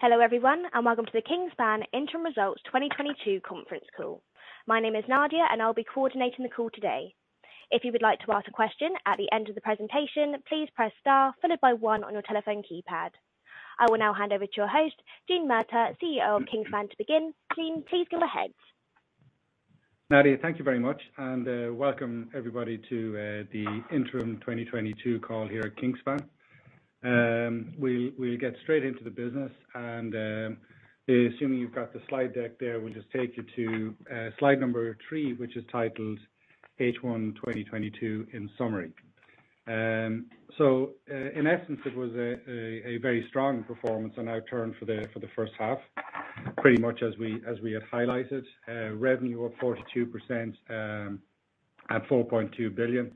Hello everyone, and welcome to the Kingspan Interim Results 2022 Conference Call. My name is Nadia, and I'll be coordinating the call today. If you would like to ask a question at the end of the presentation, please press star followed by one on your telephone keypad. I will now hand over to your host, Gene Murtagh, CEO of Kingspan, to begin. Gene, please go ahead. Nadia, thank you very much, and welcome everybody to the interim 2022 call here at Kingspan. We'll get straight into the business and, assuming you've got the slide deck there, we'll just take you to slide number 3, which is titled H1 2022 in summary. In essence it was a very strong performance on our turnover for the first half, pretty much as we had highlighted. Revenue up 42% at 4.2 billion.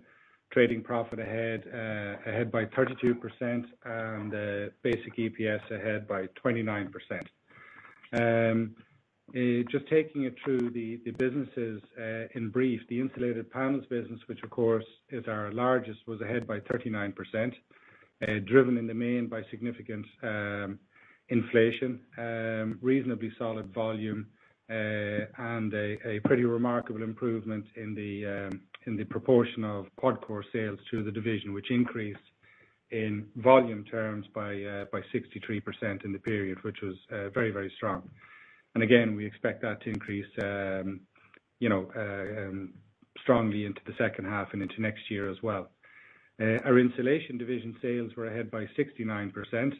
Trading profit ahead by 32%, and basic EPS ahead by 29%. Just taking it through the businesses in brief. The insulated panels business, which of course is our largest, was ahead by 39%, driven in the main by significant inflation, reasonably solid volume, and a pretty remarkable improvement in the proportion of QuadCore sales to the division, which increased in volume terms by 63% in the period, which was very strong. Again, we expect that to increase, you know, strongly into the second half and into next year as well. Our insulation division sales were ahead by 69%.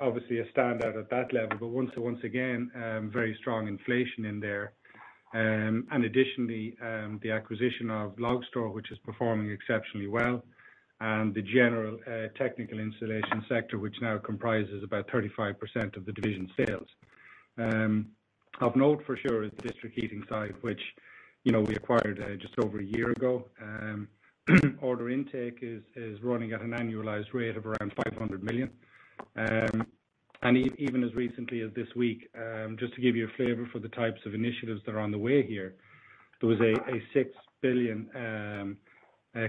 Obviously a standout at that level, but once again, very strong inflation in there. Additionally, the acquisition of Logstor, which is performing exceptionally well, and the general technical insulation sector, which now comprises about 35% of the division sales. Of note for sure is the district heating side, which, you know, we acquired just over a year ago. Order intake is running at an annualized rate of around 500 million. Even as recently as this week, just to give you a flavor for the types of initiatives that are on the way here, there was a 6 billion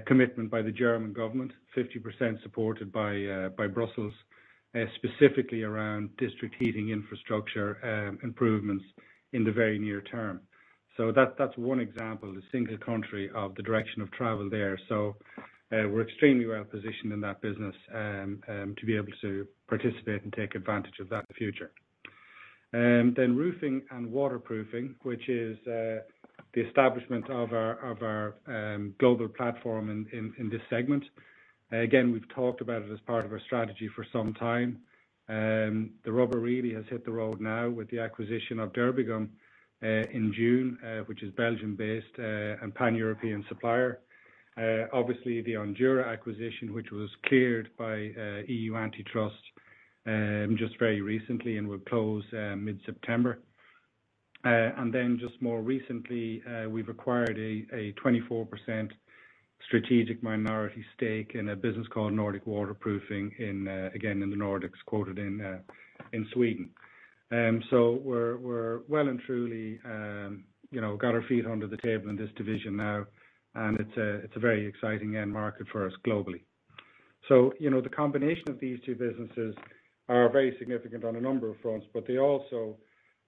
commitment by the German government, 50% supported by Brussels, specifically around district heating infrastructure improvements in the very near term. That’s one example, a single country, of the direction of travel there. We’re extremely well positioned in that business to be able to participate and take advantage of that future. Roofing and waterproofing, which is the establishment of our global platform in this segment. Again, we've talked about it as part of our strategy for some time. The rubber really has hit the road now with the acquisition of Derbigum in June, which is Belgian-based and Pan-European supplier. Obviously the Ondura acquisition, which was cleared by EU antitrust just very recently and will close mid-September. Just more recently, we've acquired a 24% strategic minority stake in a business called Nordic Waterproofing in again in the Nordics quoted in Sweden. We're well and truly you know got our feet under the table in this division now, and it's a very exciting end market for us globally. You know, the combination of these two businesses are very significant on a number of fronts, but they also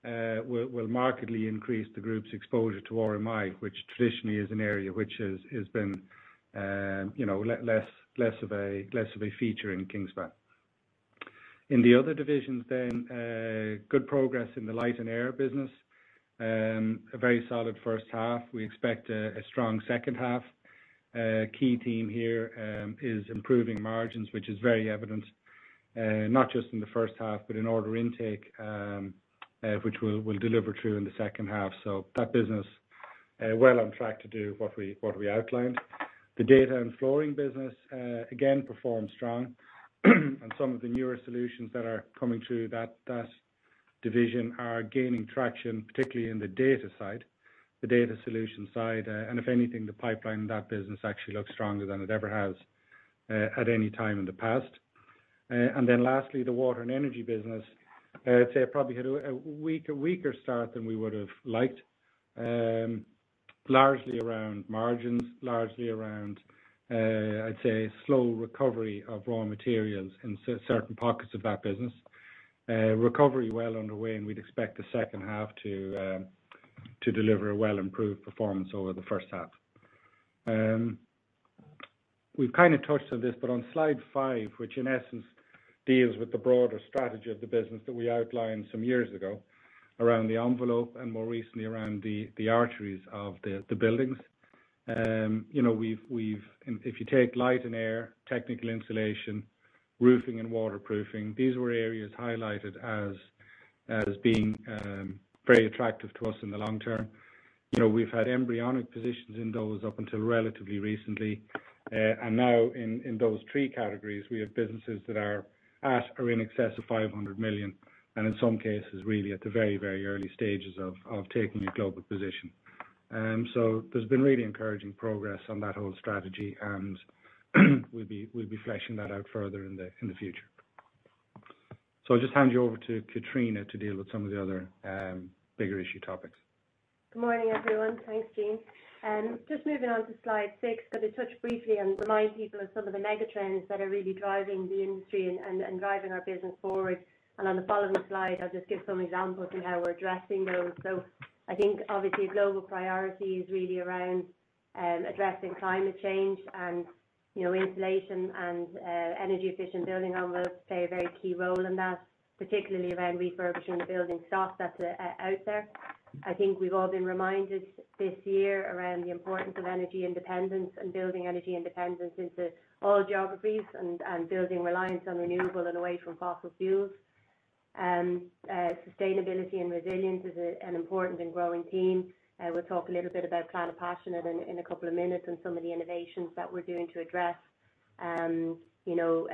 will markedly increase the group's exposure to RMI, which traditionally is an area which has been less of a feature in Kingspan. In the other divisions then, good progress in the light and air business. A very solid first half. We expect a strong second half. Key theme here is improving margins, which is very evident, not just in the first half, but in order intake, which we'll deliver through in the second half. That business well on track to do what we outlined. The data and flooring business again performed strong, and some of the newer solutions that are coming through that division are gaining traction, particularly in the data side, the data solution side. If anything, the pipeline in that business actually looks stronger than it ever has at any time in the past. Lastly, the water and energy business. I'd say it probably had a weaker start than we would've liked. Largely around margins, largely around, I'd say, slow recovery of raw materials in certain pockets of that business. Recovery well underway, and we'd expect the second half to deliver a well improved performance over the first half. We've kind of touched on this, but on slide five, which in essence deals with the broader strategy of the business that we outlined some years ago around the envelope and more recently around the arteries of the buildings. You know, if you take light and air, technical insulation, roofing and waterproofing, these were areas highlighted as being very attractive to us in the long term. You know, we've had embryonic positions in those up until relatively recently. Now in those three categories, we have businesses that are at or in excess of 500 million, and in some cases, really at the very early stages of taking a global position. There's been really encouraging progress on that whole strategy, and we'll be fleshing that out further in the future. I'll just hand you over to Catriona to deal with some of the other bigger issue topics. Good morning, everyone. Thanks, Gene. Just moving on to slide six, going to touch briefly and remind people of some of the mega trends that are really driving the industry and driving our business forward. On the following slide, I'll just give some examples on how we're addressing those. I think obviously global priority is really around addressing climate change and, you know, insulation and energy efficient building envelopes play a very key role in that, particularly around refurbishing the building stock that are out there. I think we've all been reminded this year around the importance of energy independence and building energy independence into all geographies and building reliance on renewable and away from fossil fuels. Sustainability and resilience is an important and growing theme. We'll talk a little bit about Planet Passionate in a couple of minutes and some of the innovations that we're doing to address, you know,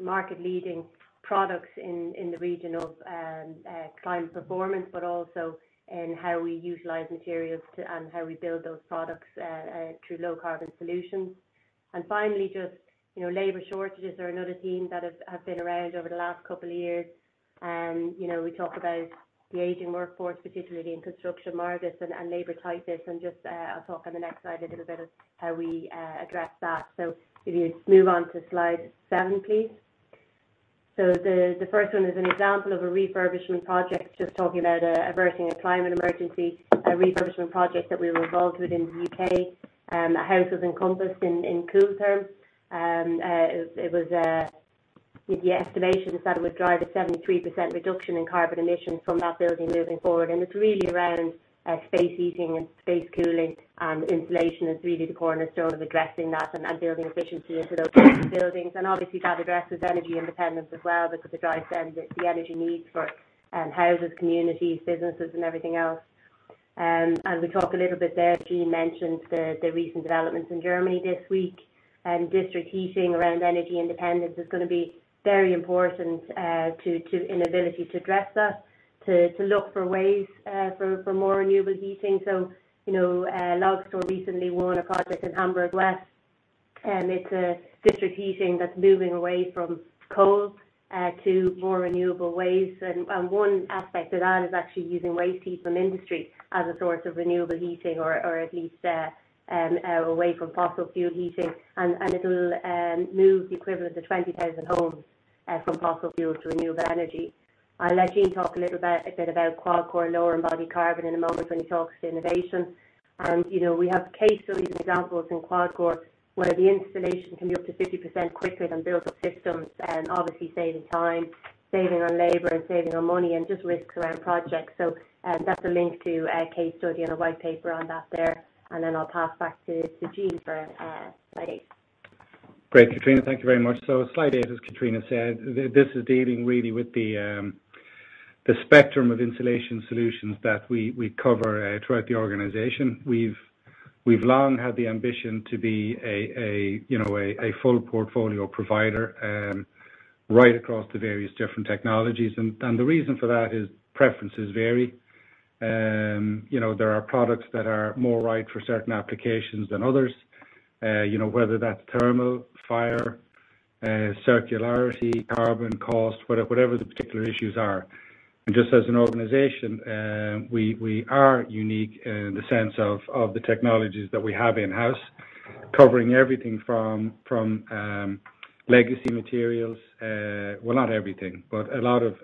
market-leading products in the region of climate performance, but also in how we utilize materials and how we build those products through low-carbon solutions. Finally, labor shortages are another theme that have been around over the last couple of years. We talk about the aging workforce, particularly in construction markets and labor tightness. I'll talk on the next slide a little bit of how we address that. If you move on to slide seven, please. The first one is an example of a refurbishing project, just talking about averting a climate emergency, a refurbishing project that we were involved with in the UK. A house was encompassed in Kooltherm. The estimation is that it would drive a 73% reduction in carbon emissions from that building moving forward. It's really around space heating and space cooling. Insulation is really the cornerstone of addressing that and building efficiency into those buildings. That addresses energy independence as well because it drives down the energy needs for houses, communities, businesses and everything else. We talk a little bit there. Gene mentioned the recent developments in Germany this week. District heating around energy independence is gonna be very important to the ability to address that, to look for ways for more renewable heating. You know, Logstor recently won a project in Hamburg Wärme, and it's a district heating that's moving away from coal to more renewable ways. One aspect of that is actually using waste heat from industry as a source of renewable heating or at least away from fossil fuel heating. It'll move the equivalent of 20,000 homes from fossil fuels to renewable energy. I'll let Gene talk a little bit about QuadCore lower embodied carbon in a moment when he talks innovation. You know, we have case studies and examples in QuadCore, where the installation can be up to 50% quicker than built-up systems, and obviously saving time, saving on labor and saving on money and just risks around projects. That's a link to a case study and a white paper on that there. Then I'll pass back to Gene for slide eight. Great, Catriona. Thank you very much. Slide 8, as Catriona said, this is dealing really with the spectrum of insulation solutions that we cover throughout the organization. We've long had the ambition to be a you know a full portfolio provider right across the various different technologies. The reason for that is preferences vary. You know, there are products that are more right for certain applications than others. You know, whether that's thermal, fire, circularity, carbon, cost, whatever the particular issues are. Just as an organization, we are unique in the sense of the technologies that we have in-house, covering everything from legacy materials. Well, not everything, but a lot of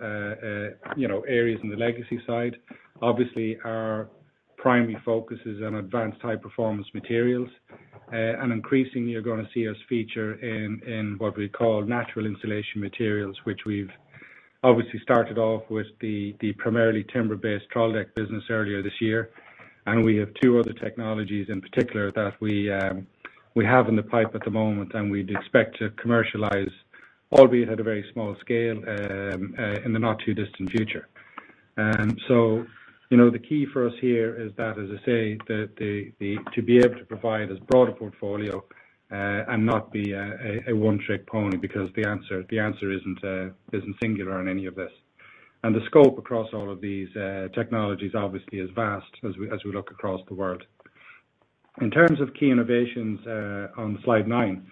you know areas in the legacy side. Obviously, our primary focus is on advanced high performance materials. Increasingly, you're gonna see us feature in what we call natural insulation materials, which we've obviously started off with the primarily timber-based Troldtekt business earlier this year. We have two other technologies in particular that we have in the pipe at the moment, and we'd expect to commercialize, albeit at a very small scale, in the not too distant future. You know, the key for us here is that, as I say, to be able to provide as broad a portfolio, and not be a one-trick pony, because the answer isn't singular in any of this. The scope across all of these technologies obviously is vast as we look across the world. In terms of key innovations, on slide 9,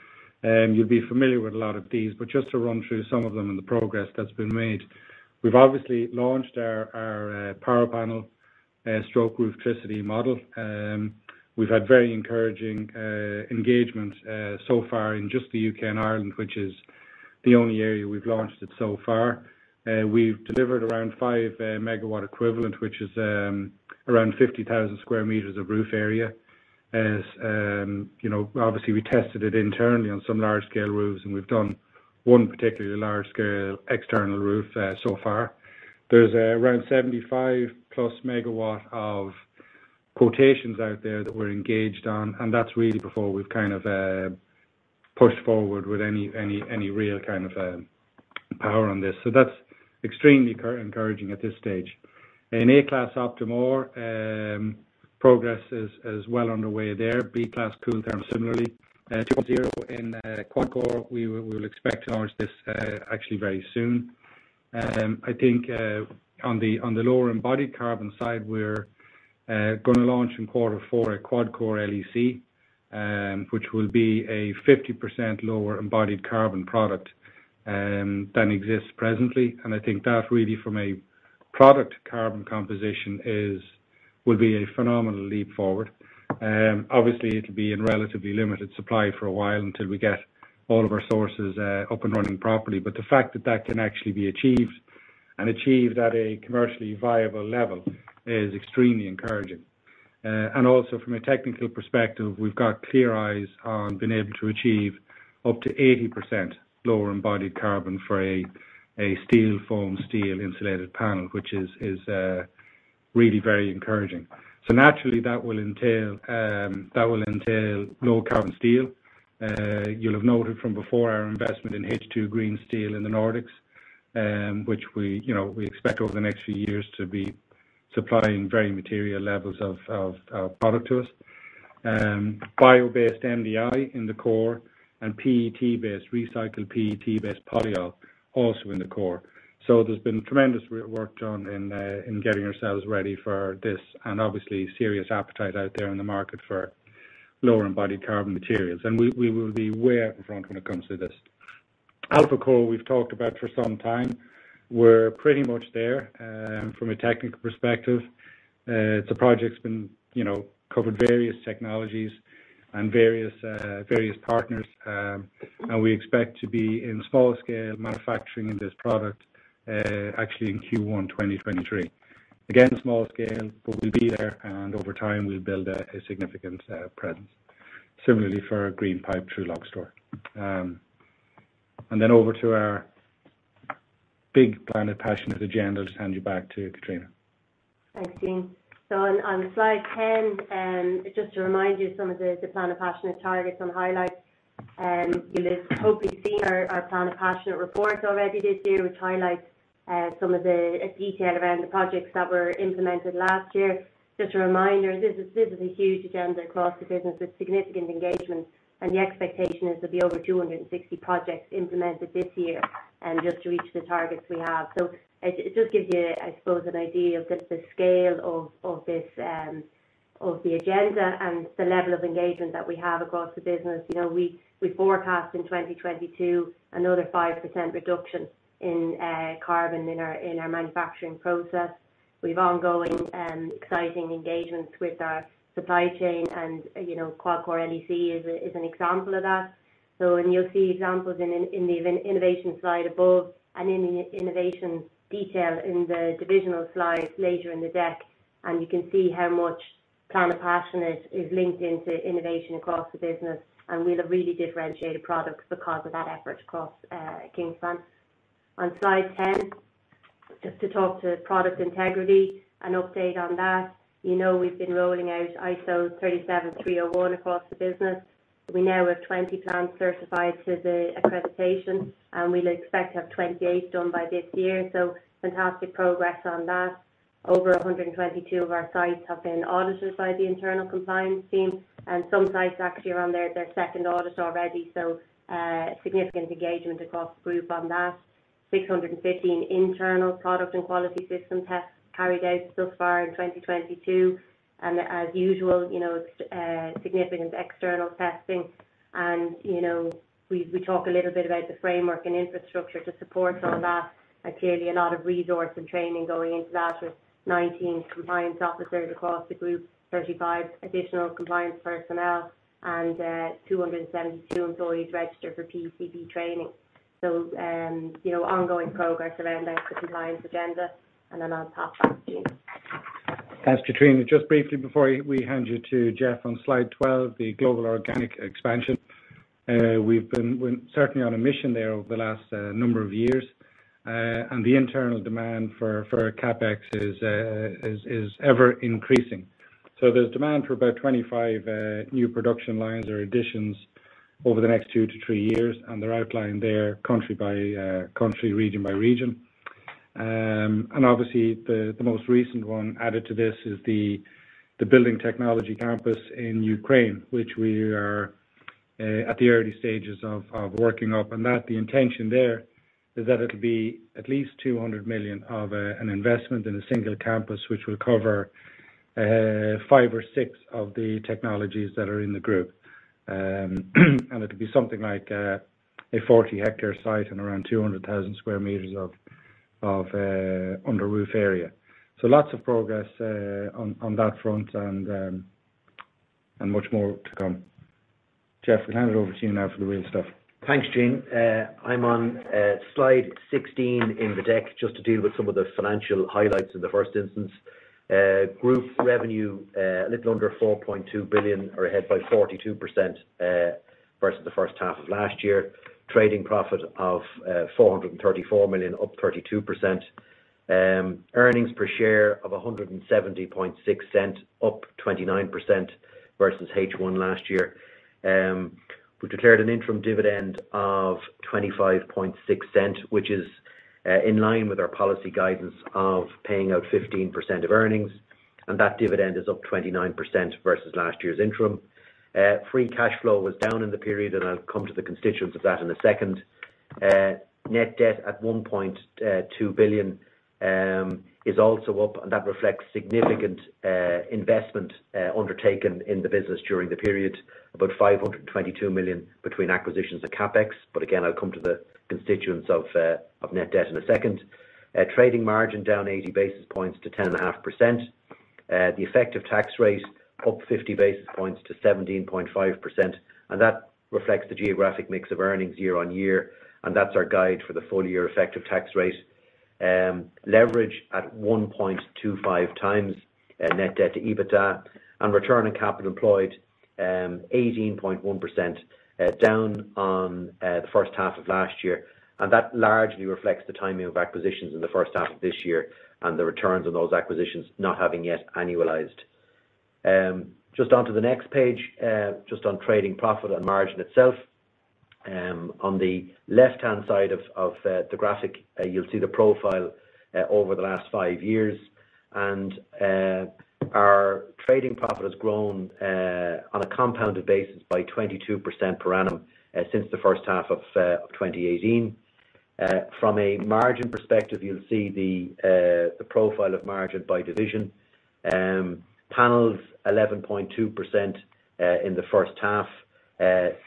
you'll be familiar with a lot of these, but just to run through some of them and the progress that's been made. We've obviously launched our PowerPanel roof electricity model. We've had very encouraging engagement so far in just the UK and Ireland, which is the only area we've launched it so far. We've delivered around 5 megawatt equivalent, which is around 50,000 sq m of roof area. As you know, obviously, we tested it internally on some large scale roofs, and we've done one particularly large scale external roof so far. There's around 75+ MW of quotations out there that we're engaged on, and that's really before we've kind of pushed forward with any real kind of power on this. That's extremely encouraging at this stage. In A-class OPTIM-R progress is well underway there. B-class Kooltherm similarly. In QuadCore we will expect to launch this actually very soon. I think on the lower embodied carbon side we're going to launch in quarter four a QuadCore LEC which will be a 50% lower embodied carbon product than exists presently. I think that really from a product carbon composition will be a phenomenal leap forward. Obviously it'll be in relatively limited supply for a while until we get all of our sources up and running properly. The fact that can actually be achieved at a commercially viable level is extremely encouraging. From a technical perspective, we've got clear eyes on being able to achieve up to 80% lower embodied carbon for a steel foam steel insulated panel, which is really very encouraging. Naturally, that will entail low carbon steel. You'll have noted from before our investment in H2 Green Steel in the Nordics, which, you know, we expect over the next few years to be supplying very material levels of product to us. Bio-based MDI in the core and recycled PET-based polyol also in the core. There's been tremendous work done in getting ourselves ready for this and obviously serious appetite out there in the market for lower embodied carbon materials. We will be way out in front when it comes to this. AlphaCore we've talked about for some time. We're pretty much there from a technical perspective. The project's been, you know, covered various technologies and various partners, and we expect to be in small scale manufacturing in this product actually in Q1 2023. Again, small scale, but we'll be there and over time we'll build a significant presence. Similarly for Greenpipe, Logstor. Over to our big Planet Passionate agenda to hand you back to Catriona. Thanks, Gene. On slide 10, just to remind you some of the Planet Passionate targets and highlights. You'll have hopefully seen our Planet Passionate report already this year, which highlights some of the detail around the projects that were implemented last year. Just a reminder, this is a huge agenda across the business with significant engagement, and the expectation is there'll be over 260 projects implemented this year, just to reach the targets we have. It does give you, I suppose, an idea of just the scale of this of the agenda and the level of engagement that we have across the business. You know, we forecast in 2022 another 5% reduction in carbon in our manufacturing process. We have ongoing exciting engagements with our supply chain and, you know, QuadCore LEC is an example of that. You'll see examples in the innovation slide above and in the innovation detail in the divisional slides later in the deck. You can see how much Planet Passionate is linked into innovation across the business. We have really differentiated products because of that effort across Kingspan. On slide ten, just to talk to product integrity and update on that. You know we've been rolling out ISO 37301 across the business. We now have 20 plants certified to the accreditation, and we'll expect to have 28 done by this year. Fantastic progress on that. Over 122 of our sites have been audited by the internal compliance team, and some sites actually are on their second audit already. Significant engagement across the group on that. 615 internal product and quality system tests carried out so far in 2022. As usual, you know, significant external testing. You know, we talk a little bit about the framework and infrastructure to support all that. Clearly a lot of resource and training going into that with 19 compliance officers across the group, 35 additional compliance personnel, and two hundred and seventy-two employees registered for PCP training. You know, ongoing progress around our compliance agenda. Then I'll pass back to Gene. Thanks, Catriona. Just briefly before we hand you to Geoff on slide 12, the global organic expansion. We're certainly on a mission there over the last number of years. The internal demand for CapEx is ever increasing. There's demand for about 25 new production lines or additions over the next 2-3 years, and they're outlined there country by country, region by region. Obviously the most recent one added to this is the building technology campus in Ukraine, which we are at the early stages of working up. The intention there is that it'll be at least 200 million of an investment in a single campus, which will cover five or six of the technologies that are in the group. It'll be something like a 40-hectare site and around 200,000 sq m of under roof area. Lots of progress on that front and much more to come. Geoff, we'll hand it over to you now for the real stuff. Thanks, Gene. I'm on slide 16 in the deck just to deal with some of the financial highlights in the first instance. Group revenue, a little under 4.2 billion or ahead by 42%, versus the first half of last year. Trading profit of 434 million, up 32%. Earnings per share of 1.706, up 29% versus H1 last year. We declared an interim dividend of 0.256, which is in line with our policy guidance of paying out 15% of earnings. That dividend is up 29% versus last year's interim. Free cash flow was down in the period, and I'll come to the constituents of that in a second. Net debt at 1.2 billion is also up, and that reflects significant investment undertaken in the business during the period, about 522 million between acquisitions and CapEx, but again, I'll come to the constituents of net debt in a second. Trading margin down 80 basis points to 10.5%. The effective tax rate up 50 basis points to 17.5%, and that reflects the geographic mix of earnings year on year, and that's our guide for the full year effective tax rate. Leverage at 1.25 times net debt to EBITDA, and return on capital employed 18.1%, down on the first half of last year. That largely reflects the timing of acquisitions in the first half of this year and the returns on those acquisitions not having yet annualized. Just onto the next page, just on trading profit and margin itself. On the left-hand side of the graphic, you'll see the profile over the last five years. Our trading profit has grown on a compounded basis by 22% per annum since the first half of 2018. From a margin perspective, you'll see the profile of margin by division. Panels 11.2% in the first half,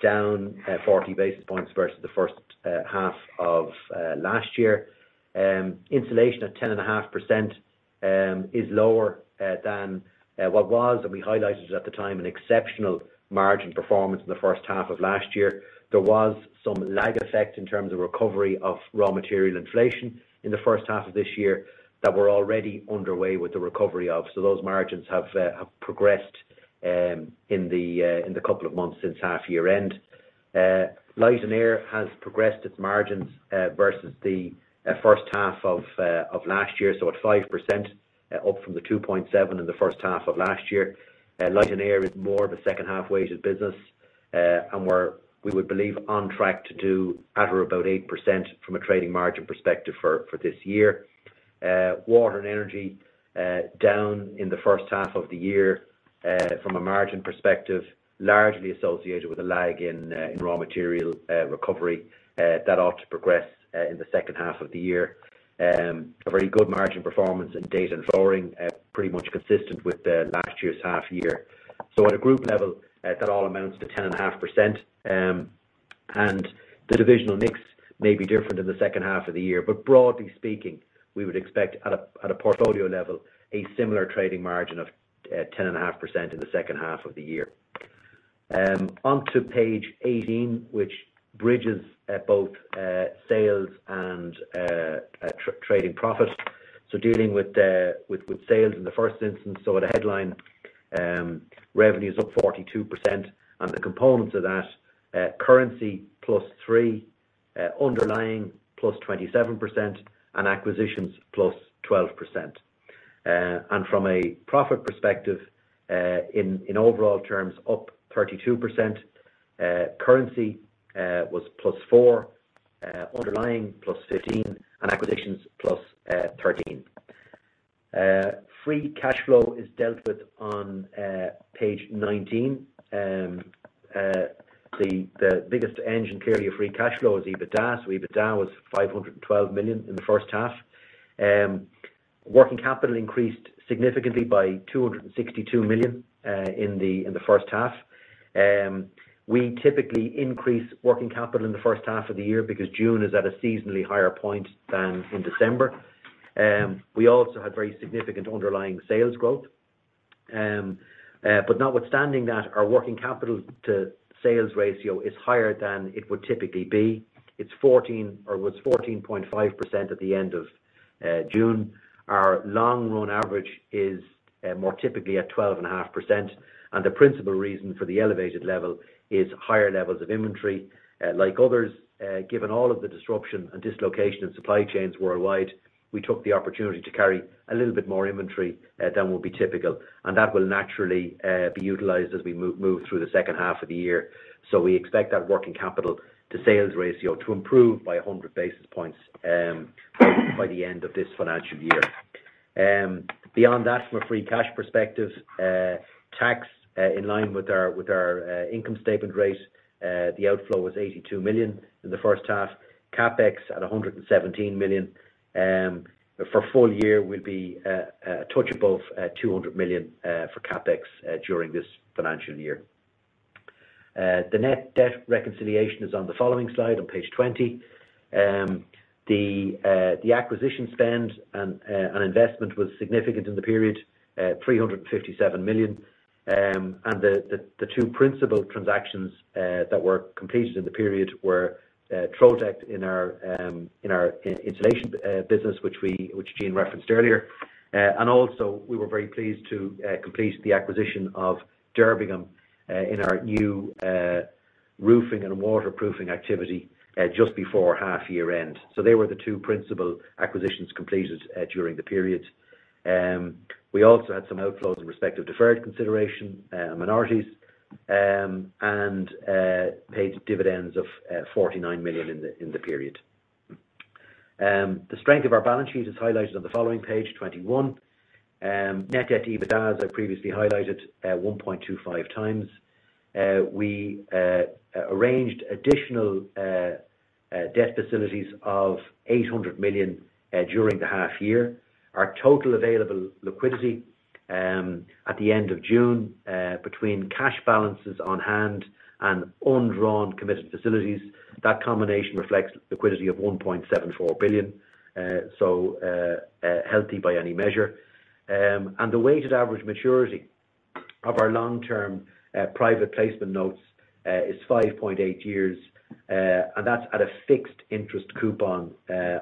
down 40 basis points versus the first half of last year. Insulation at 10.5% is lower than what was, and we highlighted it at the time, an exceptional margin performance in the first half of last year. There was some lag effect in terms of recovery of raw material inflation in the first half of this year that we're already underway with the recovery of. Those margins have progressed in the couple of months since half year end. Light and air has progressed its margins versus the first half of last year. At 5%, up from the 2.7 in the first half of last year. Light and air is more of a second half weighted business, and we would believe on track to do at or about 8% from a trading margin perspective for this year. Water and energy down in the first half of the year from a margin perspective, largely associated with a lag in raw material recovery that ought to progress in the second half of the year. A very good margin performance in data and flooring, pretty much consistent with the last year's half year. At a group level, that all amounts to 10.5%, and the divisional mix may be different in the second half of the year, but broadly speaking, we would expect at a portfolio level, a similar trading margin of 10.5% in the second half of the year. Onto page 18, which bridges both sales and trading profit. Dealing with sales in the first instance. At a headline, revenue's up 42%, and the components of that, currency plus 3%, underlying plus 27%, and acquisitions plus 12%. And from a profit perspective, in overall terms up 32%, currency was plus 4%, underlying plus 15%, and acquisitions plus 13%. Free cash flow is dealt with on page 19. The biggest engine clearly of free cash flow is EBITDA. EBITDA was 512 million in the first half. Working capital increased significantly by 262 million in the first half. We typically increase working capital in the first half of the year because June is at a seasonally higher point than in December. We also had very significant underlying sales growth. Notwithstanding that, our working capital to sales ratio is higher than it would typically be. It's 14, or was 14.5% at the end of June. Our long run average is more typically at 12.5%, and the principal reason for the elevated level is higher levels of inventory. Like others, given all of the disruption and dislocation of supply chains worldwide, we took the opportunity to carry a little bit more inventory than would be typical, and that will naturally be utilized as we move through the second half of the year. We expect that working capital to sales ratio to improve by 100 basis points by the end of this financial year. Beyond that from a free cash perspective, tax in line with our income statement rate, the outflow was 82 million in the first half. CapEx at 117 million, for full year will be a touch above 200 million for CapEx during this financial year. The net debt reconciliation is on the following slide on page 20. The acquisition spend and investment was significant in the period, 357 million. The two principal transactions that were completed in the period were Troldtekt in our insulation business, which Gene referenced earlier. We were very pleased to complete the acquisition of Derbigum in our new roofing and waterproofing activity just before half-year end. They were the two principal acquisitions completed during the period. We also had some outflows in respect of deferred consideration, minorities, and paid dividends of 49 million in the period. The strength of our balance sheet is highlighted on the following page, 21. Net debt to EBITDA, as I previously highlighted, 1.25 times. We arranged additional debt facilities of 800 million during the half year. Our total available liquidity at the end of June between cash balances on hand and undrawn committed facilities, that combination reflects liquidity of 1.74 billion. Healthy by any measure. The weighted average maturity of our long-term private placement notes is 5.8 years. That's at a fixed interest coupon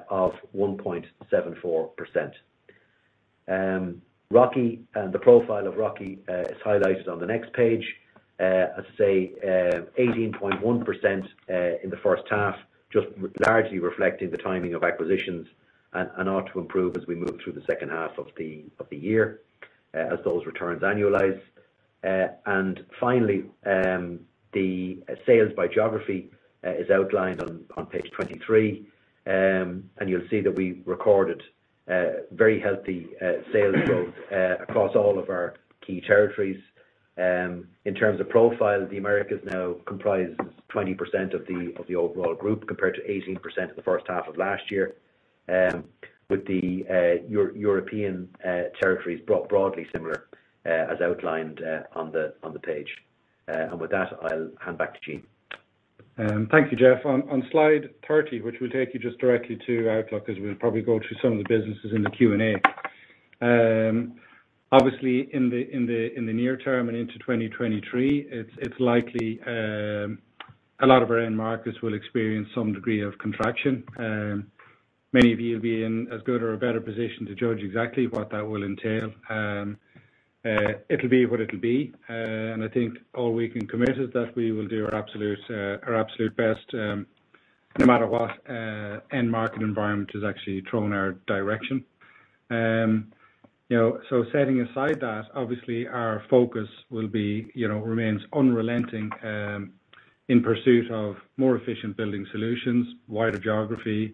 of 1.74%. ROCE and the profile of ROCE is highlighted on the next page. As I say, 18.1% in the first half, just largely reflecting the timing of acquisitions and ought to improve as we move through the second half of the year as those returns annualize. Finally, the sales by geography is outlined on page 23. You'll see that we recorded very healthy sales growth across all of our key territories. In terms of profile, the Americas now comprises 20% of the overall group, compared to 18% in the first half of last year. With the European territories broadly similar, as outlined on the page. With that, I'll hand back to Gene. Thank you, Geoff. On slide 30, which will take you just directly to outlook, as we'll probably go through some of the businesses in the Q&A. Obviously in the near term and into 2023, it's likely a lot of our end markets will experience some degree of contraction. Many of you will be in as good or a better position to judge exactly what that will entail. It'll be what it'll be. I think all we can commit is that we will do our absolute best, no matter what end market environment is actually thrown our direction. You know, setting aside that, obviously our focus will be, you know, remains unrelenting, in pursuit of more efficient building solutions, wider geography,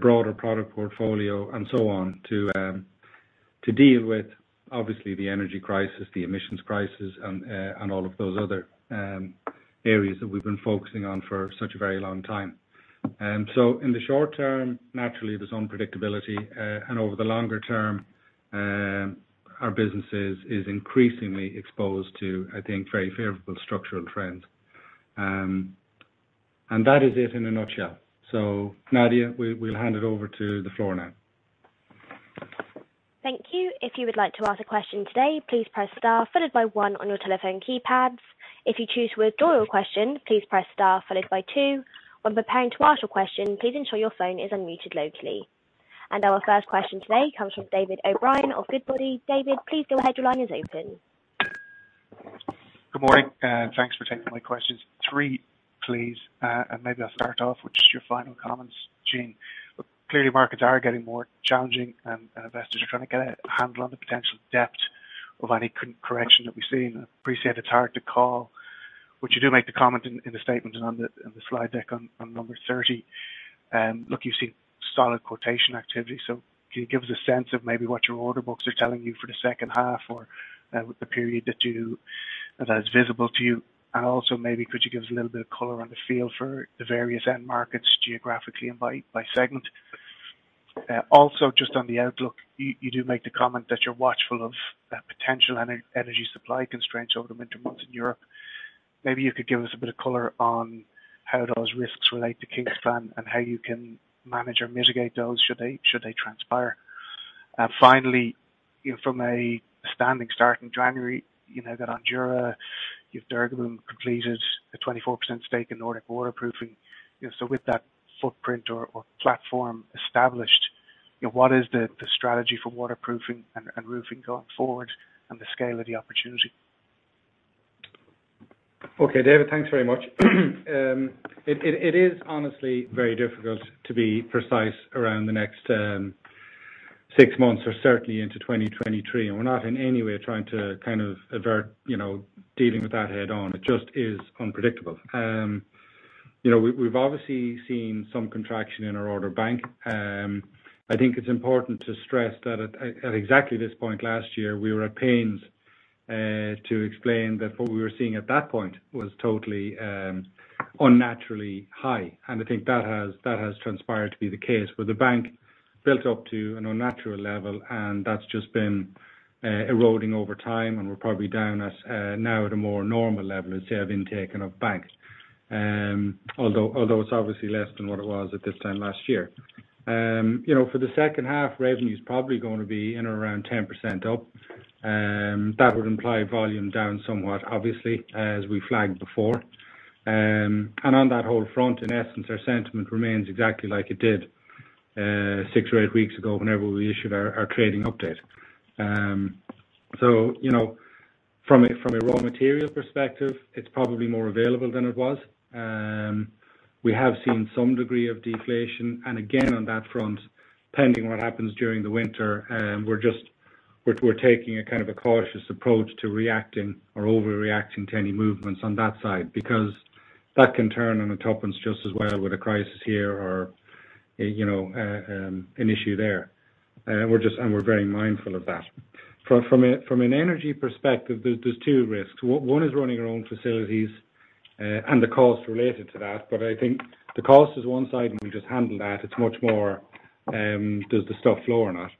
broader product portfolio, and so on, to deal with obviously the energy crisis, the emissions crisis and all of those other, areas that we've been focusing on for such a very long time. In the short term, naturally, there's unpredictability, and over the longer term, our businesses is increasingly exposed to, I think, very favorable structural trends. That is it in a nutshell. Nadia, we'll hand it over to the floor now. Thank you. If you would like to ask a question today, please press star followed by one on your telephone keypads. If you choose to withdraw your question, please press star followed by two. When preparing to ask your question, please ensure your phone is unmuted locally. Our first question today comes from David O'Brien of Goodbody. David, please go ahead. Your line is open. Good morning, and thanks for taking my questions. Three, please. And maybe I'll start off with just your final comments, Gene. Clearly markets are getting more challenging and investors are trying to get a handle on the potential depth of any correction that we've seen. I appreciate it's hard to call, but you do make the comment in the statement and in the slide deck on number 30. Look, you've seen solid quotation activity, so can you give us a sense of maybe what your order books are telling you for the second half or the period that is visible to you? And also, maybe could you give us a little bit of color on the feel for the various end markets geographically and by segment? Also just on the outlook, you do make the comment that you're watchful of potential energy supply constraints over the winter months in Europe. Maybe you could give us a bit of color on how those risks relate to Kingspan and how you can manage or mitigate those, should they transpire. Finally, you know, from a standing start in January, you know, that on Ondura, you've completed a 24% stake in Nordic Waterproofing. You know, so with that footprint or platform established, you know, what is the strategy for waterproofing and roofing going forward and the scale of the opportunity? Okay, David, thanks very much. It is honestly very difficult to be precise around the next six months or certainly into 2023, and we're not in any way trying to kind of avert, you know, dealing with that head on. It just is unpredictable. You know, we've obviously seen some contraction in our order bank. I think it's important to stress that at exactly this point last year, we were at pains to explain that what we were seeing at that point was totally unnaturally high. I think that has transpired to be the case, where the bank built up to an unnatural level and that's just been eroding over time and we're probably down at now at a more normal level of say, of intake and of bank. Although it's obviously less than what it was at this time last year. You know, for the second half, revenue's probably gonna be in or around 10% up. That would imply volume down somewhat, obviously, as we flagged before. And on that whole front, in essence, our sentiment remains exactly like it did six or eight weeks ago whenever we issued our trading update. You know, from a raw material perspective, it's probably more available than it was. We have seen some degree of deflation. Again, on that front, pending what happens during the winter, we're taking a kind of a cautious approach to reacting or overreacting to any movements on that side, because that can turn on a sixpence just as well with a crisis here or, you know, an issue there. We're very mindful of that. From an energy perspective, there's two risks. One is running our own facilities and the costs related to that. I think the cost is one side, and we just handle that. It's much more, does the stuff flow or not?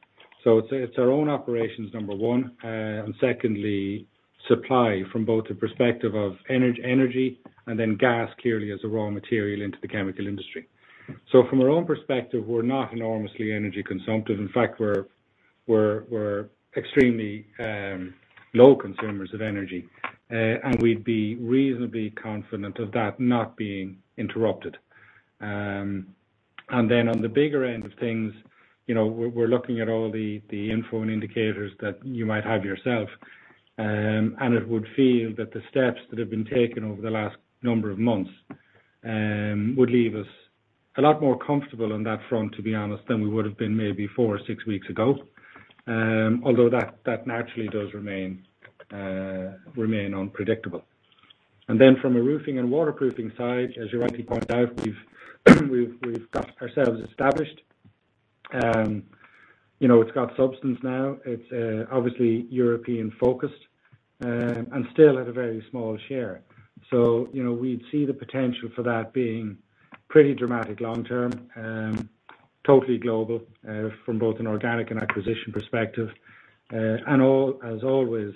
It's our own operations, number one. Secondly, supply from both the perspective of energy and then gas clearly as a raw material into the chemical industry. From our own perspective, we're not enormously energy consumptive. In fact, we're extremely low consumers of energy. We'd be reasonably confident of that not being interrupted. On the bigger end of things, you know, we're looking at all the info and indicators that you might have yourself. It would feel that the steps that have been taken over the last number of months would leave us a lot more comfortable on that front, to be honest, than we would have been maybe four or six weeks ago. Although that naturally does remain unpredictable. From a roofing and waterproofing side, as you rightly point out, we've got ourselves established. You know, it's got substance now. It's obviously European focused and still at a very small share. You know, we'd see the potential for that being pretty dramatic long-term, totally global, from both an organic and acquisition perspective. As always,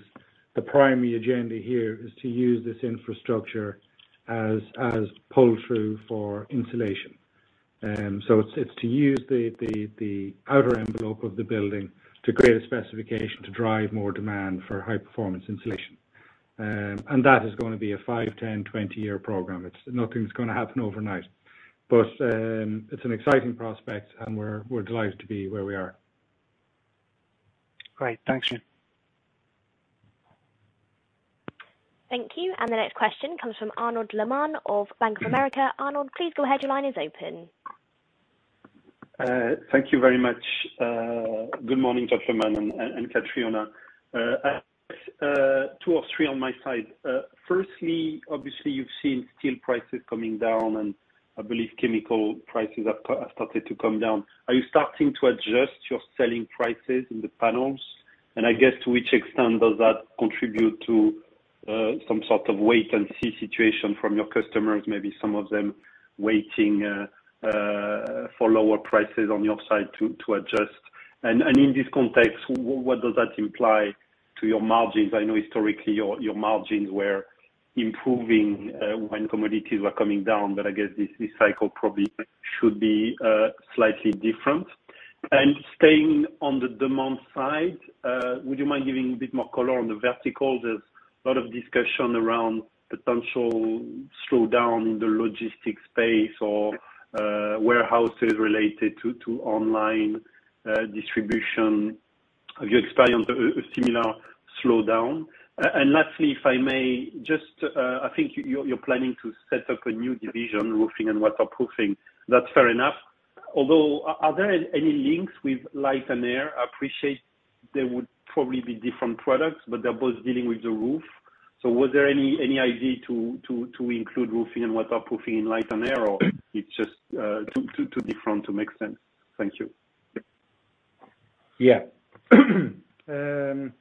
the primary agenda here is to use this infrastructure as pull-through for insulation. It's to use the outer envelope of the building to create a specification to drive more demand for high performance insulation. That is gonna be a five, 10, 20-year program. Nothing's gonna happen overnight. It's an exciting prospect and we're delighted to be where we are. Great. Thanks. Thank you. The next question comes from Arnaud Lehmann of Bank of America. Arnold, please go ahead. Your line is open. Thank you very much. Good morning, gentlemen and Catriona. Two or three on my side. Firstly, obviously, you've seen steel prices coming down, and I believe chemical prices have started to come down. Are you starting to adjust your selling prices in the panels? I guess to what extent does that contribute to some sort of wait and see situation from your customers, maybe some of them waiting for lower prices on your side to adjust. In this context, what does that imply to your margins? I know historically your margins were improving when commodities were coming down, but I guess this cycle probably should be slightly different. Staying on the demand side, would you mind giving a bit more color on the verticals? There's a lot of discussion around potential slowdown in the logistics space or warehouses related to online distribution. Have you experienced a similar slowdown? Lastly, if I may, just I think you're planning to set up a new division, roofing and waterproofing. That's fair enough. Although, are there any links with Light + Air? I appreciate they would probably be different products, but they're both dealing with the roof. Was there any idea to include roofing and waterproofing in Light + Air, or it's just too different to make sense? Thank you. Yeah. Okay, Arnaud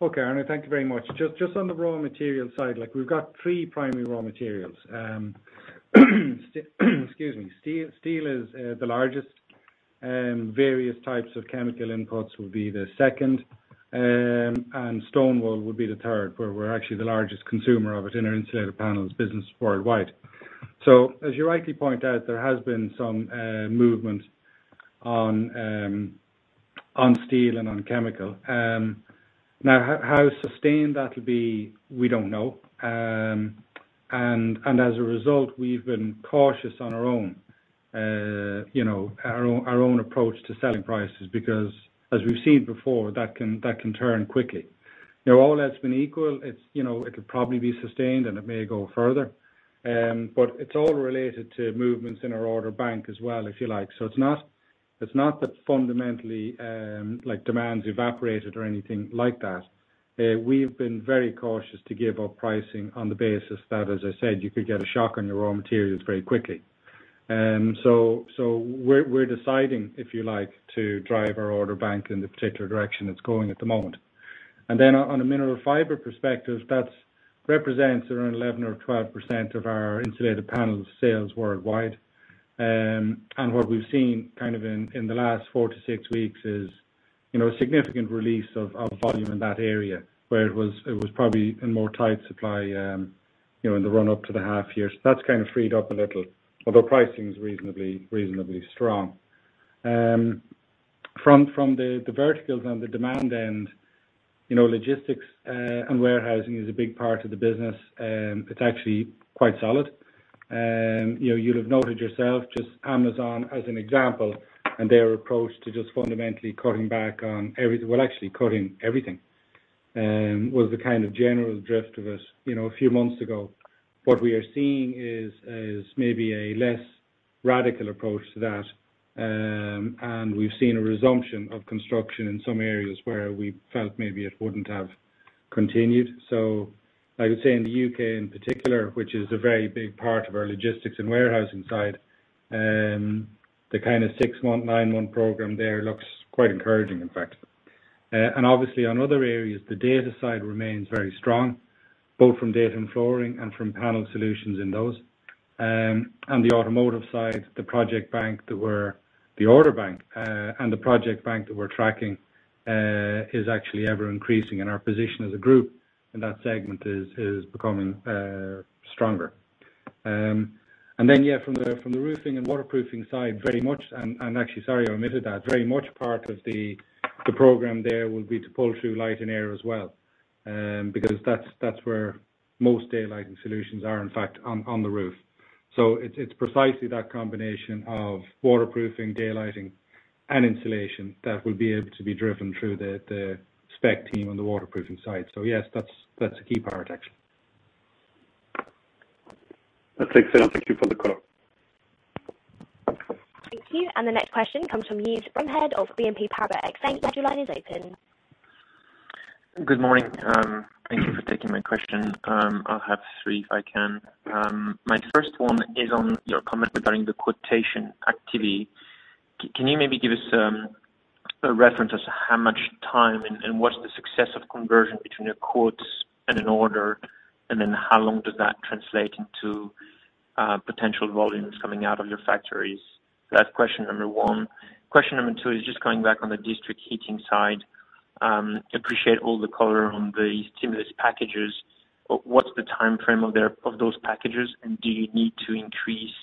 Lehmann, thank you very much. Just on the raw material side, like we've got three primary raw materials. Excuse me. Steel is the largest. Various types of chemical inputs would be the second. And stone wool would be the third, where we're actually the largest consumer of it in our insulated panels business worldwide. As you rightly point out, there has been some movement on steel and on chemical. Now how sustained that'll be, we don't know. As a result, we've been cautious on our own approach to selling prices because as we've seen before, that can turn quickly. You know, all else been equal it's, you know, it could probably be sustained and it may go further. It's all related to movements in our order bank as well, if you like. It's not that fundamentally, like demand's evaporated or anything like that. We've been very cautious to give our pricing on the basis that, as I said, you could get a shock on your raw materials very quickly. We're deciding, if you like, to drive our order bank in the particular direction it's going at the moment. On a mineral fiber perspective, that represents around 11 or 12% of our insulated panel sales worldwide. What we've seen kind of in the last 4-6 weeks is, you know, a significant release of volume in that area where it was probably in tighter supply, you know, in the run up to the half year. That's kind of freed up a little, although pricing is reasonably strong. From the verticals on the demand end, you know, logistics and warehousing is a big part of the business. It's actually quite solid. You know, you'll have noted yourself just Amazon as an example and their approach to just fundamentally cutting everything was the kind of general drift of it, you know, a few months ago. What we are seeing is maybe a less radical approach to that. We've seen a resumption of construction in some areas where we felt maybe it wouldn't have continued. I would say in the UK in particular, which is a very big part of our logistics and warehousing side, the kind of 6-month, 9-month program there looks quite encouraging in fact. Obviously on other areas, the data side remains very strong, both from data and flooring and from panel solutions in those. The automotive side, the order bank and the project bank that we're tracking is actually ever increasing. Our position as a group in that segment is becoming stronger. From the roofing and waterproofing side very much, and actually, sorry, I omitted that. Very much part of the program there will be to pull through light and air as well, because that's where most daylighting solutions are in fact on the roof. It's precisely that combination of waterproofing, daylighting and insulation that will be able to be driven through the spec team on the waterproofing side. Yes, that's a key part actually. That's excellent. Thank you for the call. Thank you. The next question comes from Yves Bromehead of BNP Paribas Exane. Your line is open. Good morning. Thank you for taking my question. I'll have three if I can. My first one is on your comment regarding the quotation activity. Can you maybe give us a reference as to how much time and what's the success of conversion between a quotes and an order, and then how long does that translate into potential volumes coming out of your factories? That's question number one. Question number two is just going back on the district heating side. Appreciate all the color on the stimulus packages. What's the timeframe of those packages? Do you need to increase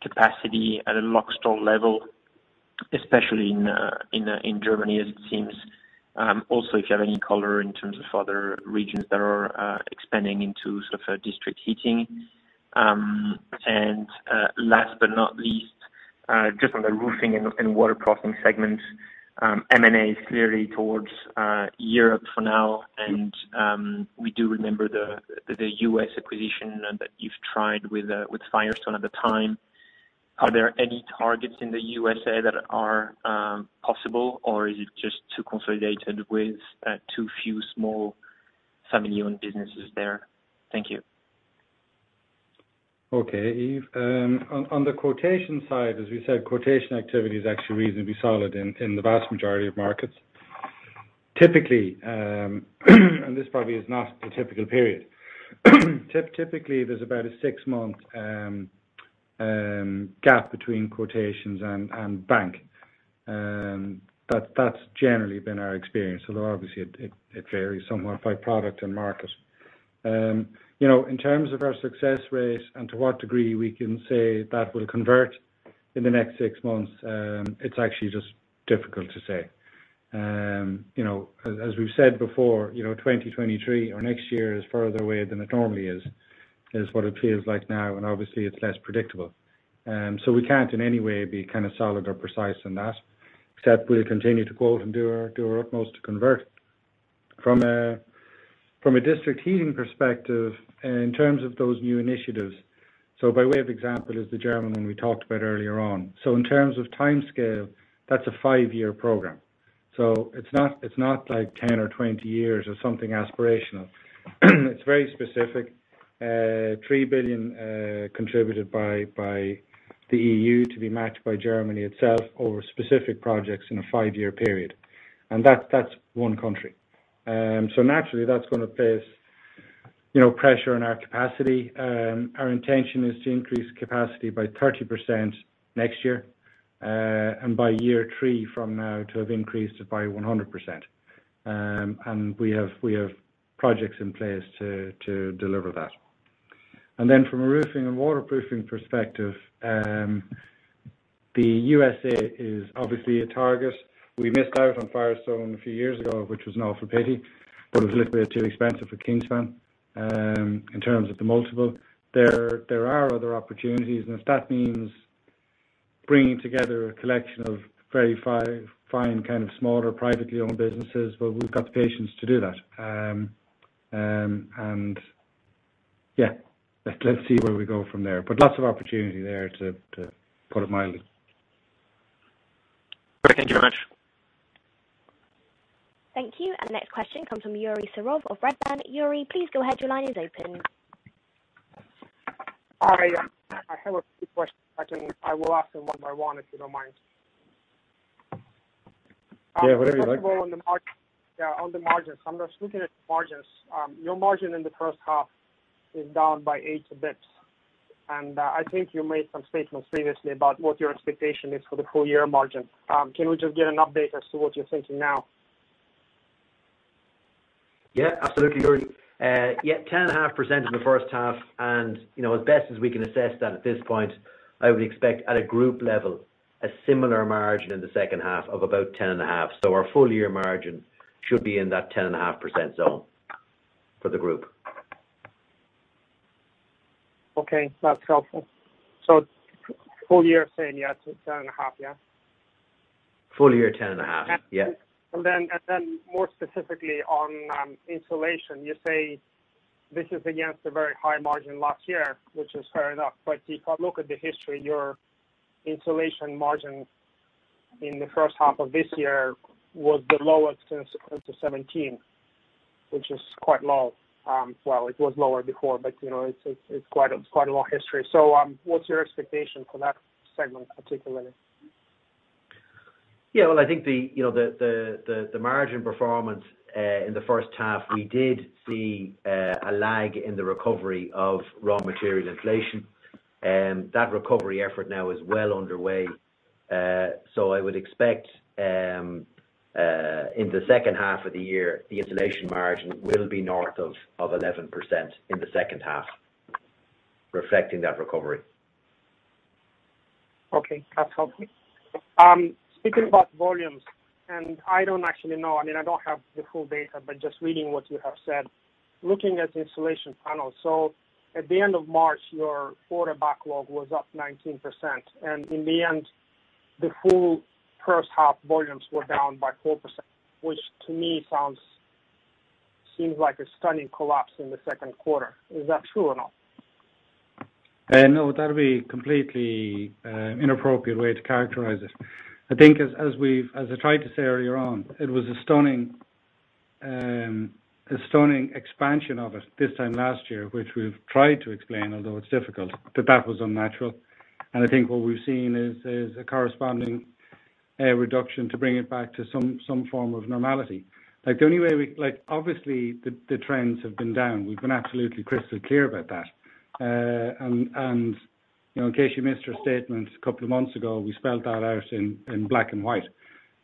capacity at a Logstor level, especially in Germany as it seems? Also, if you have any color in terms of other regions that are expanding into sort of a district heating. Last but not least, just on the roofing and waterproofing segments, M&A is clearly towards Europe for now. We do remember the U.S. acquisition that you've tried with Firestone at the time. Are there any targets in the U.S.A. that are possible or is it just too consolidated with too few small family-owned businesses there? Thank you. Okay. Yves, on the quotation side, as we said, quotation activity is actually reasonably solid in the vast majority of markets. Typically, this probably is not a typical period. Typically, there's about a six-month gap between quotations and bookings. That's generally been our experience, although obviously it varies somewhat by product and market. You know, in terms of our success rate and to what degree we can say that will convert in the next six months, it's actually just difficult to say. You know, as we've said before, you know, 2023 or next year is further away than it normally is, what it feels like now, and obviously it's less predictable. We can't in any way be kind of solid or precise in that, except we'll continue to quote and do our utmost to convert. From a district heating perspective in terms of those new initiatives, by way of example is the German one we talked about earlier on. In terms of timescale, that's a five-year program. It's not like 10 or 20 years or something aspirational. It's very specific. 3 billion contributed by the EU to be matched by Germany itself over specific projects in a five-year period. That's one country. Naturally that's gonna place, you know, pressure on our capacity. Our intention is to increase capacity by 30% next year, and by year three from now to have increased it by 100%. We have projects in place to deliver that. From a roofing and waterproofing perspective, the USA is obviously a target. We missed out on Firestone a few years ago, which was an awful pity, but it was a little bit too expensive for Kingspan in terms of the multiple. There are other opportunities, and if that means bringing together a collection of very fine kind of smaller privately owned businesses, well, we've got the patience to do that. Let's see where we go from there. Lots of opportunity there to put it mildly. Great. Thank you very much. Thank you. Next question comes from Yuri Serov of Redburn. Yuri, please go ahead. Your line is open. Hi. I have a few questions. I will ask them one by one, if you don't mind. Yeah, whatever you like. First of all, on the margins. I'm just looking at margins. Your margin in the first half is down by 80 basis points. I think you made some statements previously about what your expectation is for the full year margin. Can we just get an update as to what you're thinking now? Yeah, absolutely, Yuri. Yeah, 10.5% in the first half. You know, as best as we can assess that at this point, I would expect at a group level, a similar margin in the second half of about 10.5. Our full year margin should be in that 10.5% zone for the group. Okay, that's helpful. Full year saying yes, it's 10.5, yeah? Full year 10.5. Yeah. More specifically on insulation, you say this is against a very high margin last year, which is fair enough. But if I look at the history, your insulation margin in the first half of this year was the lowest since 2017, which is quite low. It was lower before, but, you know, it's quite a long history. What's your expectation for that segment, particularly? Yeah. Well, I think you know, the margin performance in the first half, we did see a lag in the recovery of raw material inflation, and that recovery effort now is well underway. I would expect in the second half of the year, the insulation margin will be north of 11% in the second half, reflecting that recovery. Okay. That's helpful. Speaking about volumes, and I don't actually know, I mean, I don't have the full data, but just reading what you have said, looking at the insulated panels. At the end of March, your quarter backlog was up 19%, and in the end, the full first half volumes were down by 4%, which to me seems like a stunning collapse in the second quarter. Is that true or not? No, that'd be completely inappropriate way to characterize it. I think as we've as I tried to say earlier on, it was a stunning a stunning expansion of it this time last year, which we've tried to explain, although it's difficult, but that was unnatural. I think what we've seen is a corresponding reduction to bring it back to some form of normality. Like, the only way we like, obviously, the trends have been down. We've been absolutely crystal clear about that. You know, in case you missed our statement a couple of months ago, we spelled that out in black and white.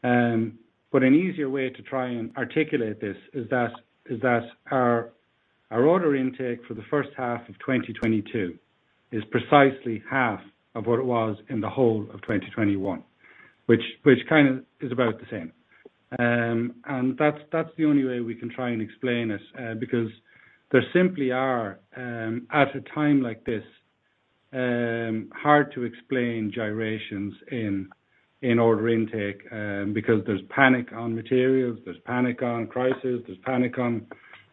An easier way to try and articulate this is that our order intake for the first half of 2022 is precisely half of what it was in the whole of 2021, which kind of is about the same. That's the only way we can try and explain this, because there simply are at a time like this hard to explain gyrations in order intake, because there's panic on materials, there's panic on crisis, there's panic on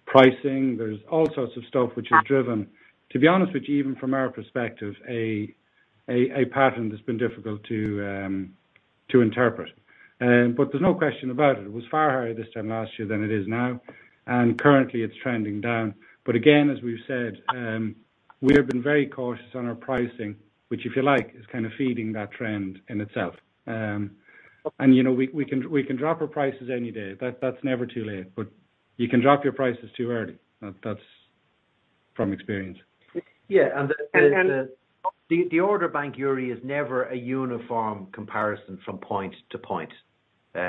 pricing, there's all sorts of stuff which has driven, to be honest with you, even from our perspective, a pattern that's been difficult to interpret. There's no question about it. It was far higher this time last year than it is now, and currently it's trending down. Again, as we've said, we have been very cautious on our pricing, which if you like, is kind of feeding that trend in itself. You know, we can drop our prices any day. That's never too late, but you can drop your prices too early. That's from experience. Yeah. And, and- The order bank, Yuri, is never a uniform comparison from point to point. You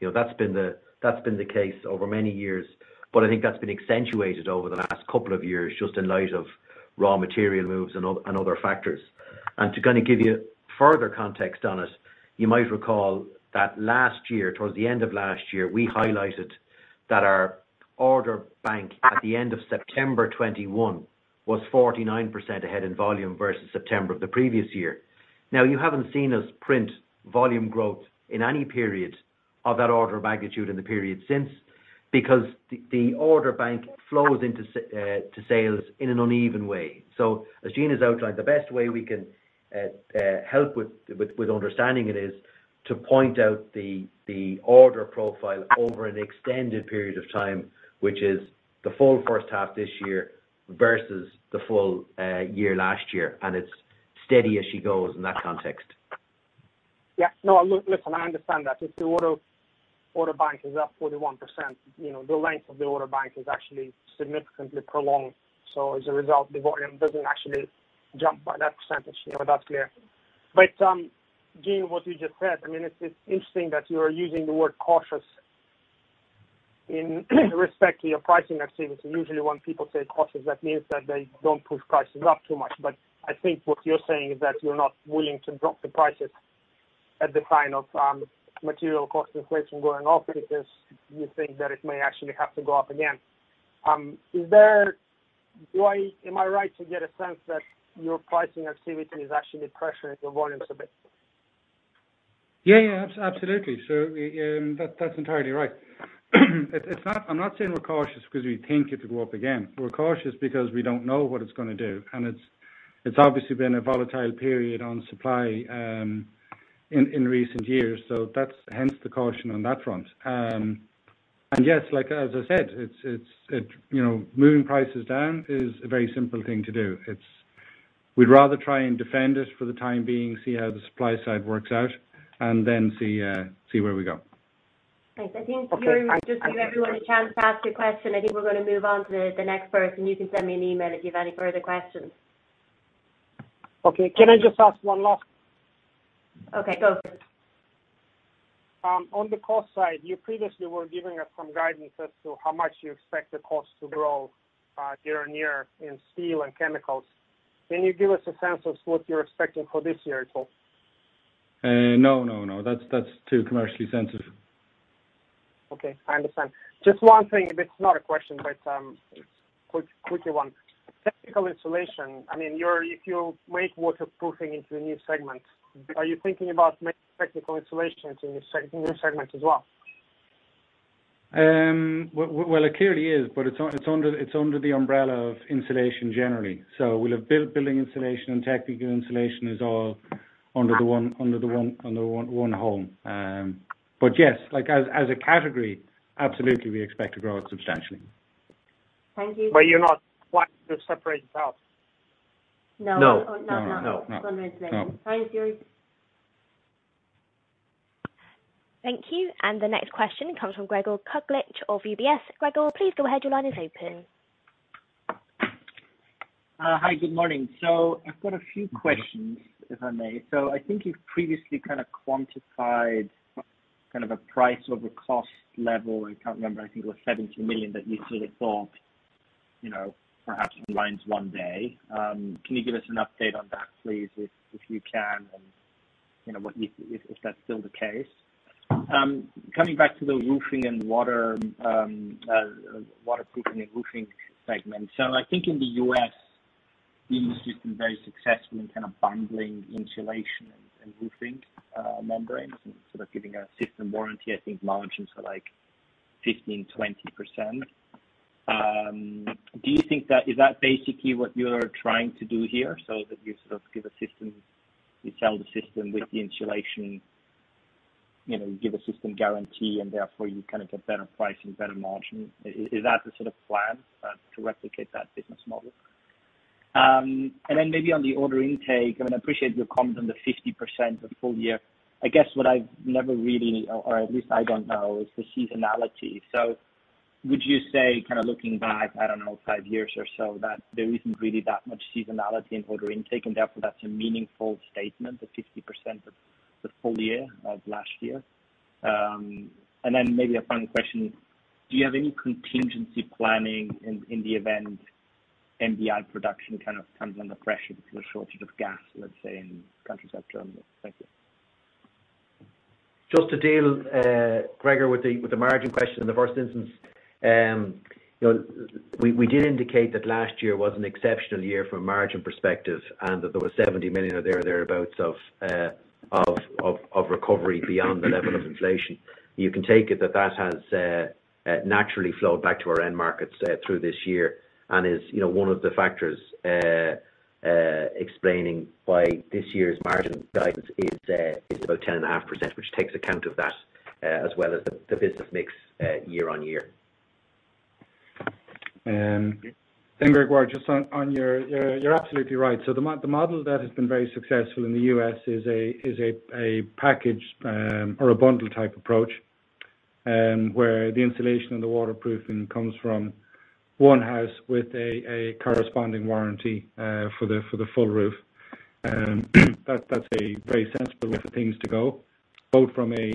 know, that's been the case over many years, but I think that's been accentuated over the last couple of years just in light of raw material moves and other factors. To kind of give you further context on it, you might recall that last year, towards the end of last year, we highlighted that our order bank at the end of September 2021 was 49% ahead in volume versus September of the previous year. Now, you haven't seen us print volume growth in any period of that order of magnitude in the period since because the order bank flows into sales in an uneven way. As Gene has outlined, the best way we can help with understanding it is to point out the order profile over an extended period of time, which is the full first half this year versus the full year last year, and it's steady as she goes in that context. Yeah. No, listen, I understand that. If the order bank is up 41%, you know, the length of the order bank is actually significantly prolonged. As a result, the volume doesn't actually jump by that percentage. You know, that's clear. Gene, what you just said, I mean, it's interesting that you are using the word cautious in respect to your pricing activity. Usually, when people say cautious, that means that they don't push prices up too much. I think what you're saying is that you're not willing to drop the prices at the sign of material cost inflation going up because you think that it may actually have to go up again. Am I right to get a sense that your pricing activity is actually pressuring your volumes a bit? Absolutely. That's entirely right. It's not. I'm not saying we're cautious because we think it could go up again. We're cautious because we don't know what it's gonna do, and it's obviously been a volatile period on supply in recent years. That's hence the caution on that front. Yes, like as I said, it's you know, moving prices down is a very simple thing to do. We'd rather try and defend it for the time being, see how the supply side works out, and then see where we go. Thanks. I think, Yuri, just to give everyone a chance to ask a question, I think we're gonna move on to the next person. You can send me an email if you have any further questions. Okay. Can I just ask one last? Okay. Go for it. On the cost side, you previously were giving us some guidance as to how much you expect the cost to grow, year on year in steel and chemicals. Can you give us a sense of what you're expecting for this year at all? No. That's too commercially sensitive. Okay, I understand. Just one thing, but it's not a question, but quicker one. Technical insulation, I mean, if you make waterproofing into a new segment, are you thinking about making technical installations in this new segment as well? Well, it clearly is, but it's under the umbrella of insulation generally. We'll have building insulation and technical insulation all under the one home. Yes, as a category, absolutely, we expect to grow it substantially. Thank you. You're not planning to separate it out? No. No. Not now. No, no. No. Thank you. Thank you. The next question comes from Gregor Kuglitsch of UBS. Gregor, please go ahead. Your line is open. Hi, good morning. I've got a few questions, if I may. I think you've previously kind of quantified kind of a price over cost level. I can't remember. I think it was 70 million that you sort of thought, you know, perhaps aligns one day. Can you give us an update on that, please, if you can, and you know, if that's still the case? Coming back to the roofing and waterproofing and roofing segment. I think in the US, you've just been very successful in kind of bundling insulation and roofing membranes and sort of giving a system warranty. I think margins are like 15%-20%. Is that basically what you're trying to do here, so that you sort of give a system, you sell the system with the insulation, you know, you give a system guarantee, and therefore you kind of get better price and better margin. Is that the sort of plan to replicate that business model? Maybe on the order intake, and I appreciate your comment on the 50% of full year. I guess what I've never really, or at least I don't know, is the seasonality. Would you say kind of looking back, I don't know, five years or so, that there isn't really that much seasonality in order intake, and therefore that's a meaningful statement, the 50% of the full year of last year. maybe a final question, do you have any contingency planning in the event MDI production kind of comes under pressure because of the shortage of gas, let's say, in countries like Germany? Thank you. Just to deal, Gregor, with the margin question in the first instance. You know, we did indicate that last year was an exceptional year from a margin perspective, and that there was 70 million or thereabouts of recovery beyond the level of inflation. You can take it that that has naturally flowed back to our end markets through this year and is, you know, one of the factors explaining why this year's margin guidance is about 10.5%, which takes account of that, as well as the business mix year-on-year. Gregor, just on your—you're absolutely right. The model that has been very successful in the U.S. is a package or a bundle type approach, where the insulation and the waterproofing comes from one house with a corresponding warranty for the full roof. That's a very sensible way for things to go, both from a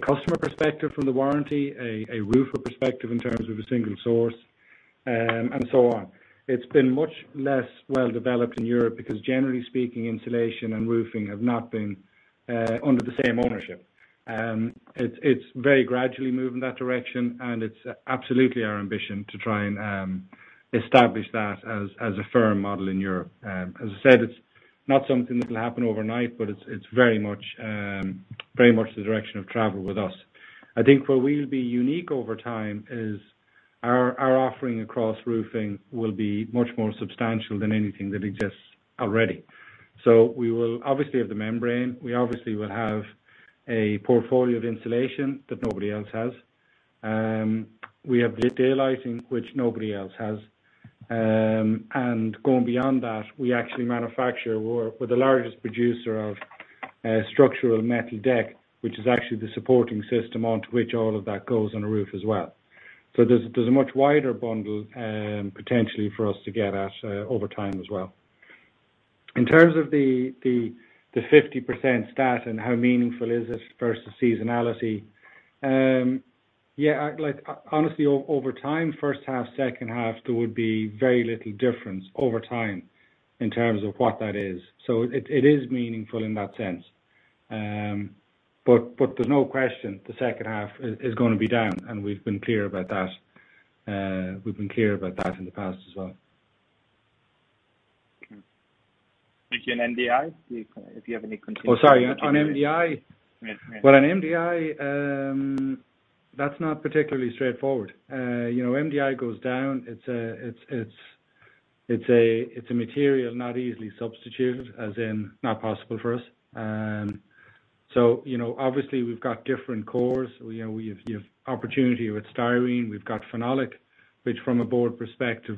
customer perspective from the warranty, a roofer perspective in terms of a single source, and so on. It's been much less well developed in Europe because generally speaking, insulation and roofing have not been under the same ownership. It's very gradually moving that direction, and it's absolutely our ambition to try and establish that as a firm model in Europe. As I said, it's not something that will happen overnight, but it's very much the direction of travel with us. I think where we'll be unique over time is our offering across roofing will be much more substantial than anything that exists already. We will obviously have the membrane. We obviously will have a portfolio of insulation that nobody else has. We have daylighting, which nobody else has. And going beyond that, we actually manufacture, we're the largest producer of structural metal deck, which is actually the supporting system onto which all of that goes on a roof as well. There's a much wider bundle potentially for us to get at over time as well. In terms of the 50% stat and how meaningful is it versus seasonality. Yeah, like honestly, over time, first half, second half, there would be very little difference over time in terms of what that is. It is meaningful in that sense. There's no question the second half is gonna be down, and we've been clear about that. We've been clear about that in the past as well. Did you on MDI? If you have any contingency. Oh, sorry. On MDI? Yeah. Well on MDI, that's not particularly straightforward. You know, MDI goes down. It's a material not easily substituted, as in not possible for us. So, you know, obviously we've got different cores. You know, we've opportunity with styrene, we've got phenolic, which from a board perspective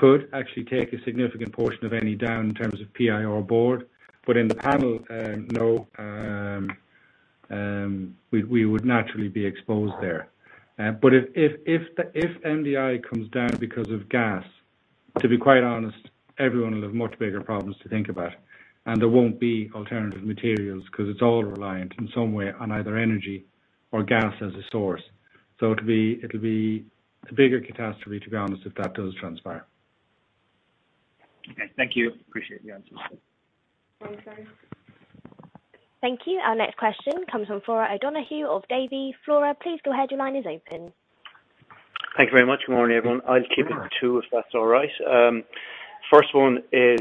could actually take a significant portion of any down in terms of PIR board. But in the panel, no, we would naturally be exposed there. But if the MDI comes down because of gas, to be quite honest, everyone will have much bigger problems to think about, and there won't be alternative materials because it's all reliant in some way on either energy or gas as a source. It'll be a bigger catastrophe, to be honest, if that does transpire. Thank you. Appreciate the answer. Thanks, Larry. Thank you. Our next question comes from Florence O'Donoghue of Davy. Flora, please go ahead. Your line is open. Thank you very much. Good morning, everyone. I'll keep it to two, if that's all right. First one is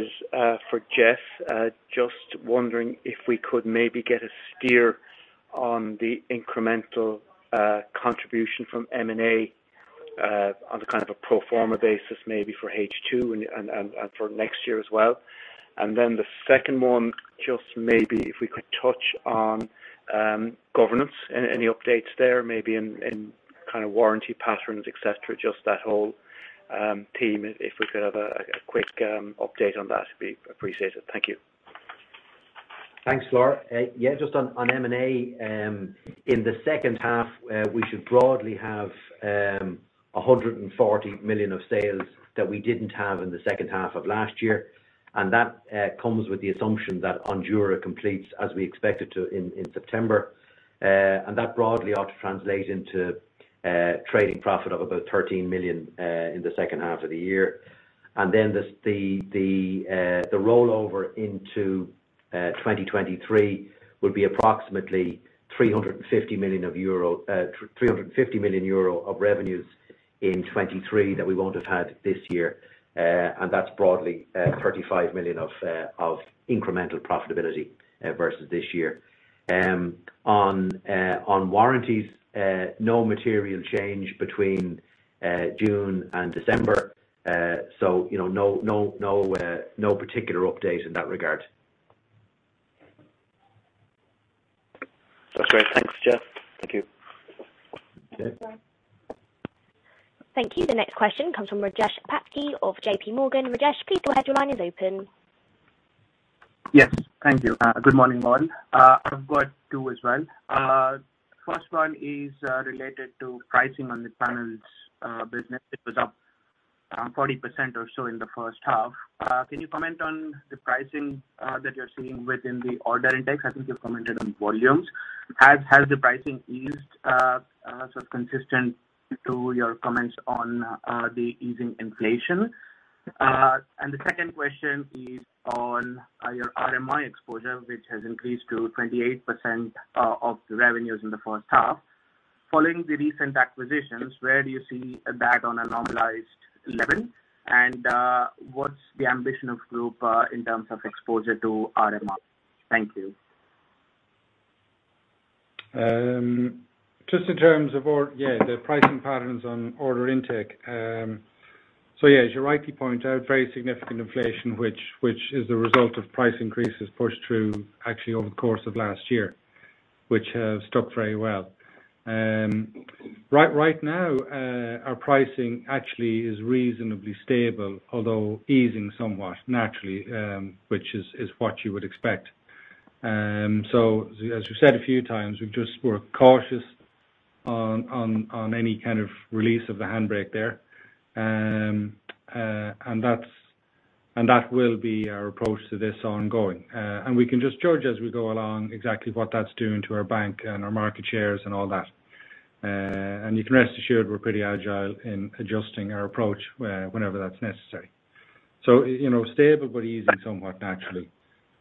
for Geoff. Just wondering if we could maybe get a steer on the incremental contribution from M&A on kind of a pro forma basis, maybe for H2 and for next year as well. Then the second one, just maybe if we could touch on governance. Any updates there, maybe in kind of warranty patterns, et cetera, just that whole team, if we could have a quick update on that, it'd be appreciated. Thank you. Thanks, Florence O'Donoghue. Just on M&A in the second half, we should broadly have 140 million of sales that we didn't have in the second half of last year. That comes with the assumption that Ondura completes as we expect it to in September. That broadly ought to translate into trading profit of about 13 million in the second half of the year. The rollover into 2023 will be approximately 350 million euro of revenues in 2023 that we won't have had this year. That's broadly 35 million of incremental profitability versus this year. On warranties, no material change between June and December. You know, no particular update in that regard. That's great. Thanks, Geoff. Thank you. Okay. Thank you. The next question comes from Rajesh Patki of JPMorgan. Rajesh, please go ahead. Your line is open. Yes. Thank you. Good morning, all. I've got two as well. First one is related to pricing on the panels business. It was up 40% or so in the first half. Can you comment on the pricing that you're seeing within the order index? I think you've commented on volumes. Has the pricing eased so consistent to your comments on the easing inflation? The second question is on your RMI exposure, which has increased to 28% of the revenues in the first half. Following the recent acquisitions, where do you see that on a normalized level? What's the ambition of Group in terms of exposure to RMI? Thank you. Just in terms of the pricing patterns on order intake. As you rightly point out, very significant inflation, which is the result of price increases pushed through actually over the course of last year, which have stuck very well. Right now, our pricing actually is reasonably stable, although easing somewhat naturally, which is what you would expect. We're cautious on any kind of release of the handbrake there. That will be our approach to this ongoing. We can just judge as we go along exactly what that's doing to our book and our market shares and all that. You can rest assured we're pretty agile in adjusting our approach whenever that's necessary. You know, stable but easing somewhat naturally.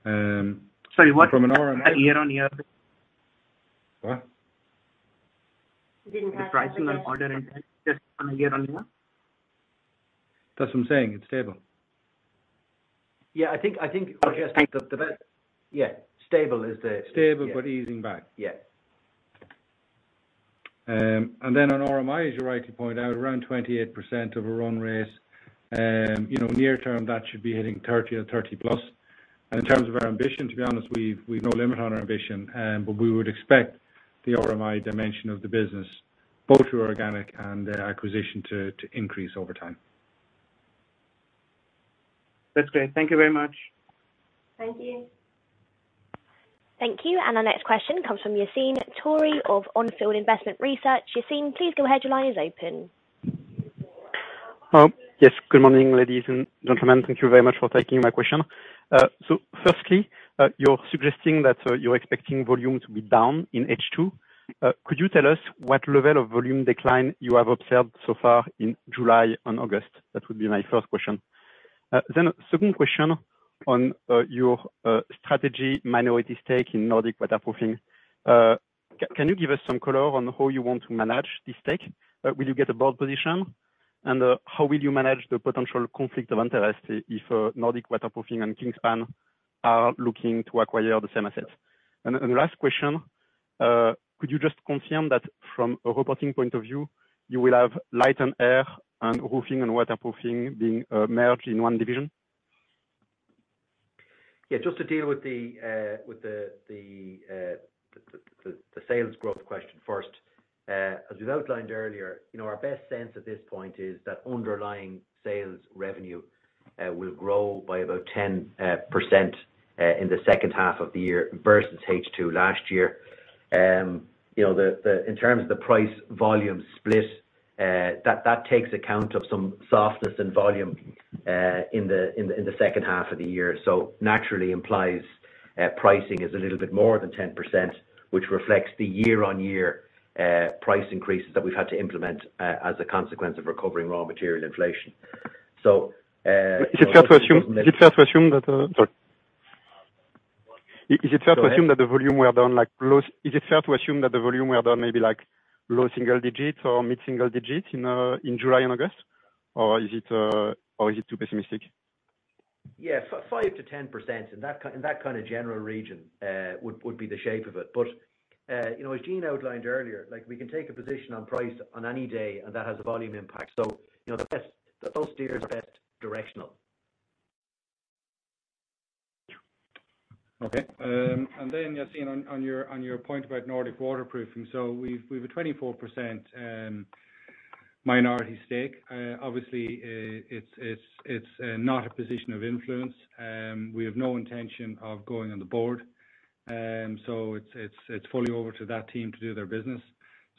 Sorry, what? From an RM- Year-over-year? What? He didn't hear. The pricing on order intake just from a year-on-year. That's what I'm saying. It's stable. Yeah, I think, Rajesh. Yeah. Stable is the- Stable, but easing back. Yeah. On RMI, as you rightly point out, around 28% of a run rate. You know, near term, that should be hitting 30 or 30+. In terms of our ambition, to be honest, we've no limit on our ambition. We would expect the RMI dimension of the business, both through organic and acquisition to increase over time. That's great. Thank you very much. Thank you. Thank you. Our next question comes from Yassine Touahri of On Field Investment Research. Yassine, please go ahead. Your line is open. Yes, good morning, ladies and gentlemen. Thank you very much for taking my question. Firstly, you're suggesting that you're expecting volume to be down in H2. Could you tell us what level of volume decline you have observed so far in July and August? That would be my first question. Second question on your strategy minority stake in Nordic Waterproofing. Can you give us some color on how you want to manage this stake? Will you get a board position? And how will you manage the potential conflict of interest if Nordic Waterproofing and Kingspan are looking to acquire the same assets? The last question, could you just confirm that from a reporting point of view, you will have Light + Air and Roofing and Waterproofing being merged in one division? Yeah, just to deal with the sales growth question first. As we've outlined earlier, you know, our best sense at this point is that underlying sales revenue will grow by about 10% in the second half of the year versus H2 last year. You know, in terms of the price volume split, that takes account of some softness in volume in the second half of the year. Naturally implies pricing is a little bit more than 10%, which reflects the year-on-year price increases that we've had to implement as a consequence of recovering raw material inflation. Is it fair to assume that? Sorry. Go ahead. Is it fair to assume that the volume were down, maybe like low single digits or mid-single digits in July and August? Or is it too pessimistic? Yeah. 5%-10%. In that kind of general region would be the shape of it. You know, as Gene outlined earlier, like, we can take a position on price on any day, and that has a volume impact. You know, the best those steers are best directional. Okay. Yassine, on your point about Nordic Waterproofing. We've a 24% minority stake. Obviously, it's not a position of influence. We have no intention of going on the board. It's fully over to that team to do their business.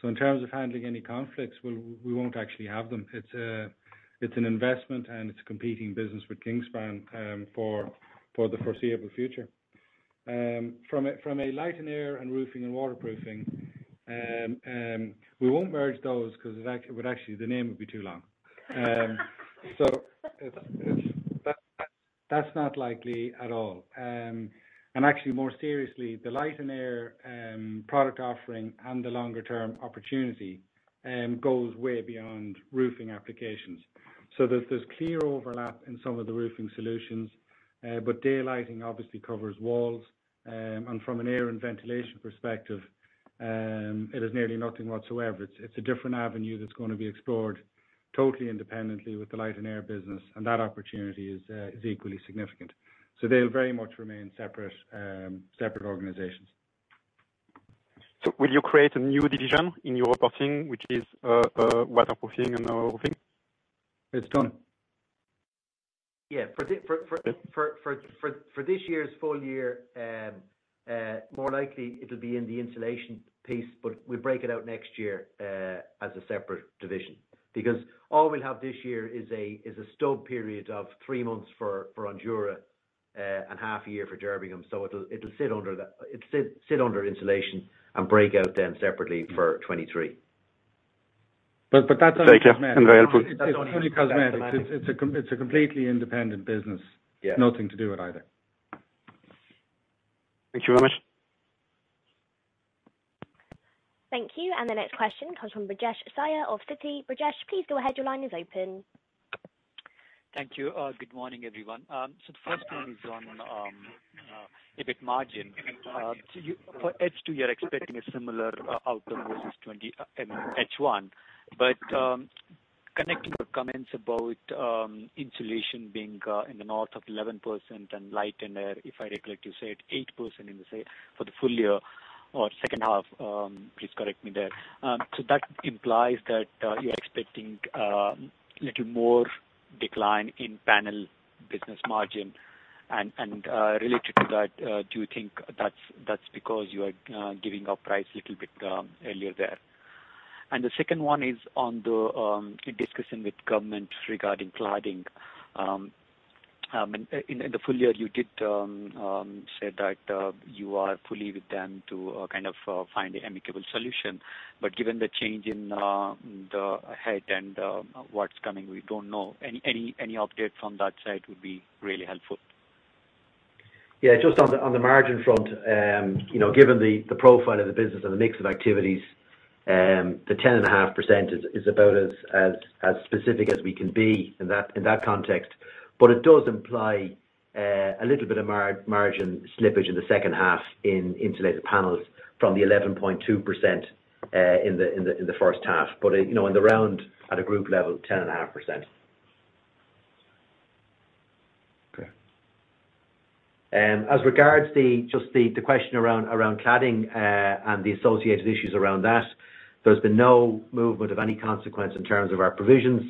In terms of handling any conflicts, we won't actually have them. It's an investment, and it's a competing business with Kingspan for the foreseeable future. From a light and air and roofing and waterproofing, we won't merge those 'cause actually, well actually, the name would be too long. That's not likely at all. Actually, more seriously, the light and air product offering and the longer term opportunity goes way beyond roofing applications. There's clear overlap in some of the roofing solutions, but daylighting obviously covers walls. From an air and ventilation perspective, it is nearly nothing whatsoever. It's a different avenue that's gonna be explored totally independently with the light and air business, and that opportunity is equally significant. They'll very much remain separate organizations. Will you create a new division in your reporting, which is waterproofing and roofing? It's done. Yeah. For this year's full year, more likely it'll be in the insulation piece, but we break it out next year as a separate division. Because all we'll have this year is a stub period of three months for Ondura and half year for Derbigum. It'll sit under insulation and break out then separately for 2023. Okay. Very helpful. that's only cosmetic. It's only cosmetic. It's a completely independent business. Yeah. Nothing to do with either. Thank you very much. Thank you. The next question comes from Brijesh Shah of Citi. Brijesh, please go ahead. Your line is open. Thank you. Good morning, everyone. The first one is on EBIT margin. For H2, you're expecting a similar outcome versus 2020 H1. Connecting your comments about insulation being in the north of 11% and Light + Air, if I recollect you said 8% in H1, say, for the full year or second half, please correct me there. That implies that you're expecting a little more decline in panel business margin. Related to that, do you think that's because you are giving up price a little bit earlier there? The second one is on the discussion with government regarding cladding. In the full year, you did say that you are fully with them to kind of find an amicable solution. Given the change in the head and what's coming, we don't know. Any update from that side would be really helpful. Yeah. Just on the margin front, you know, given the profile of the business and the mix of activities, the 10.5% is about as specific as we can be in that context. It does imply a little bit of margin slippage in the second half in Insulated Panels from the 11.2% in the first half. You know, in the round, at a group level, 10.5%. Okay. As regards the question around cladding and the associated issues around that, there's been no movement of any consequence in terms of our provisions,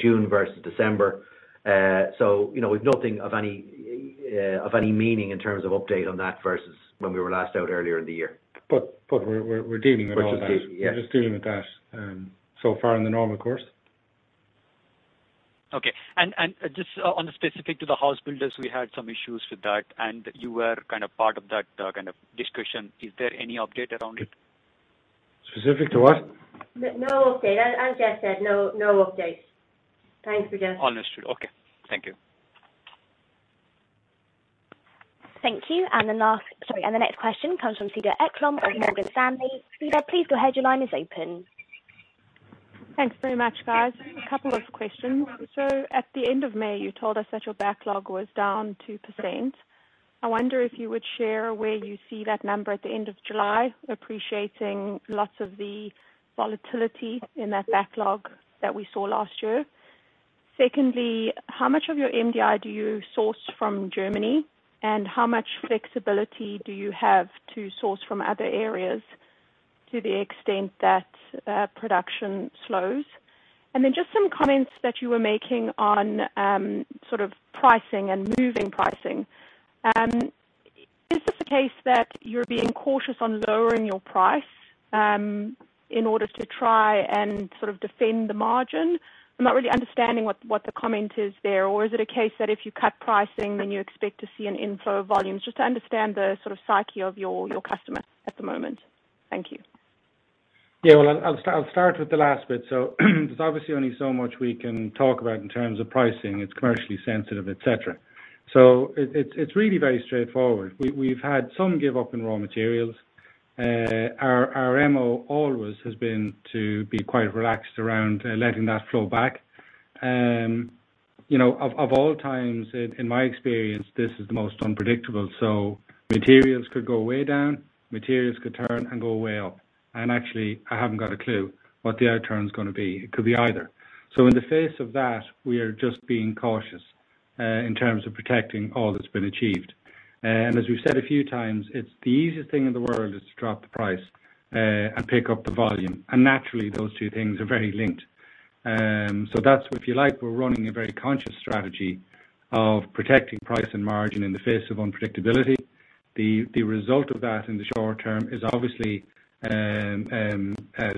June versus December. You know, we've nothing of any meaning in terms of update on that versus when we were last out earlier in the year. We're dealing with all of that. Just keep. Yeah. We're just dealing with that, so far in the normal course. Okay. Just on the specific to the house builders, we had some issues with that, and you were kind of part of that, kind of discussion. Is there any update around it? Specific to what? No update. As Geoff said, no updates. Thanks, Brijesh. Understood. Okay. Thank you. Thank you. The next question comes from Cedar Ekblom of Morgan Stanley. Cedar, please go ahead. Your line is open. Thanks very much, guys. A couple of questions. At the end of May, you told us that your backlog was down 2%. I wonder if you would share where you see that number at the end of July, appreciating lots of the volatility in that backlog that we saw last year. Secondly, how much of your MDI do you source from Germany? And how much flexibility do you have to source from other areas to the extent that production slows? Then just some comments that you were making on sort of pricing and moving pricing. Is it the case that you're being cautious on lowering your price in order to try and sort of defend the margin? I'm not really understanding what the comment is there. Is it a case that if you cut pricing, then you expect to see an inflow of volumes? Just to understand the sort of psyche of your customers at the moment. Thank you. Yeah. Well, I'll start with the last bit. There's obviously only so much we can talk about in terms of pricing. It's commercially sensitive, et cetera. It's really very straightforward. We've had some give up in raw materials. Our MO always has been to be quite relaxed around letting that flow back. You know, of all times, in my experience, this is the most unpredictable. Materials could go way down, materials could turn and go way up. Actually, I haven't got a clue what the outturn's gonna be. It could be either. In the face of that, we are just being cautious in terms of protecting all that's been achieved. As we've said a few times, it's the easiest thing in the world is to drop the price and pick up the volume. Naturally, those two things are very linked. That's if you like, we're running a very conscious strategy of protecting price and margin in the face of unpredictability. The result of that in the short term is obviously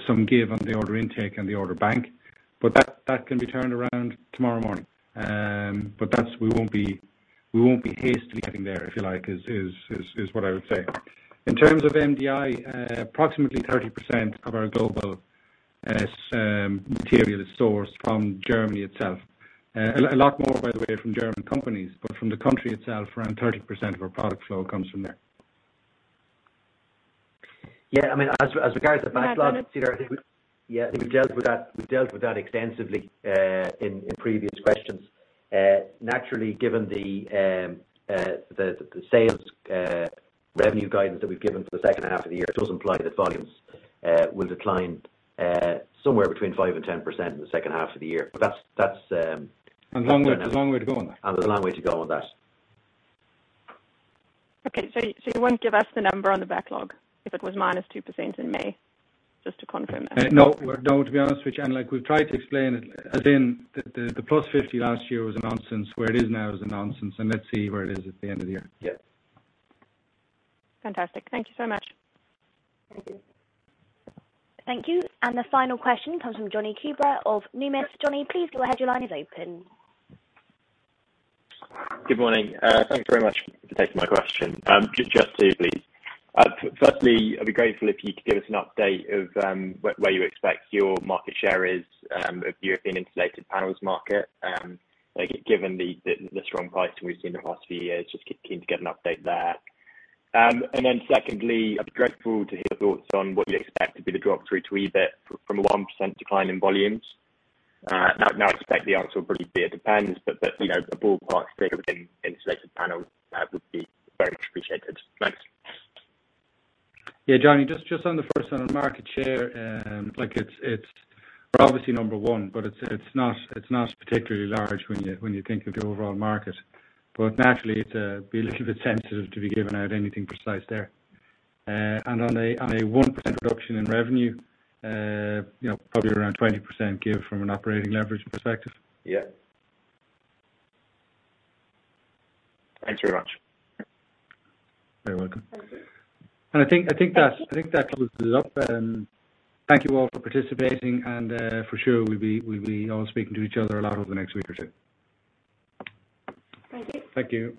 some give on the order intake and the order bank, but that can be turned around tomorrow morning. That's we won't be hasty getting there, if you like, is what I would say. In terms of MDI, approximately 30% of our global material is sourced from Germany itself. A lot more, by the way, from German companies, but from the country itself, around 30% of our product flow comes from there. Yeah, I mean, as regards the backlog. Can I just? Peter, I think we've dealt with that extensively in previous questions. Naturally, given the sales revenue guidance that we've given for the second half of the year does imply that volumes will decline somewhere between 5% and 10% in the second half of the year. That's A long way to go on that. There's a long way to go on that. Okay. You won't give us the number on the backlog if it was minus 2% in May, just to confirm that? No. To be honest with you, like we've tried to explain it again, the +50 last year was a nonsense, where it is now is a nonsense, and let's see where it is at the end of the year. Yeah. Fantastic. Thank you so much. Thank you. Thank you. The final question comes from Jonny Kubecka of Numis. Johnny, please go ahead. Your line is open. Good morning. Thank you very much for taking my question. Just two, please. Firstly, I'd be grateful if you could give us an update of where you expect your market share is of European Insulated Panels market, like, given the strong pricing we've seen the past few years. Just keen to get an update there. Secondly, I'd be grateful to hear your thoughts on what you expect to be the drop through to EBIT from a 1% decline in volumes. I expect the answer will probably be it depends, but you know, a ballpark figure within insulated panels would be very much appreciated. Thanks. Yeah. Jonny Kubecka, just on the first one on market share, like, it's. We're obviously number one, but it's not particularly large when you think of the overall market. Naturally, it'd be a little bit sensitive to be giving out anything precise there. On a 1% reduction in revenue, you know, probably around 20% give from an operating leverage perspective. Yeah. Thanks very much. You're welcome. Thank you. I think. Thank you. I think that closes it up. Thank you all for participating, and for sure, we'll be all speaking to each other a lot over the next week or two. Thank you. Thank you.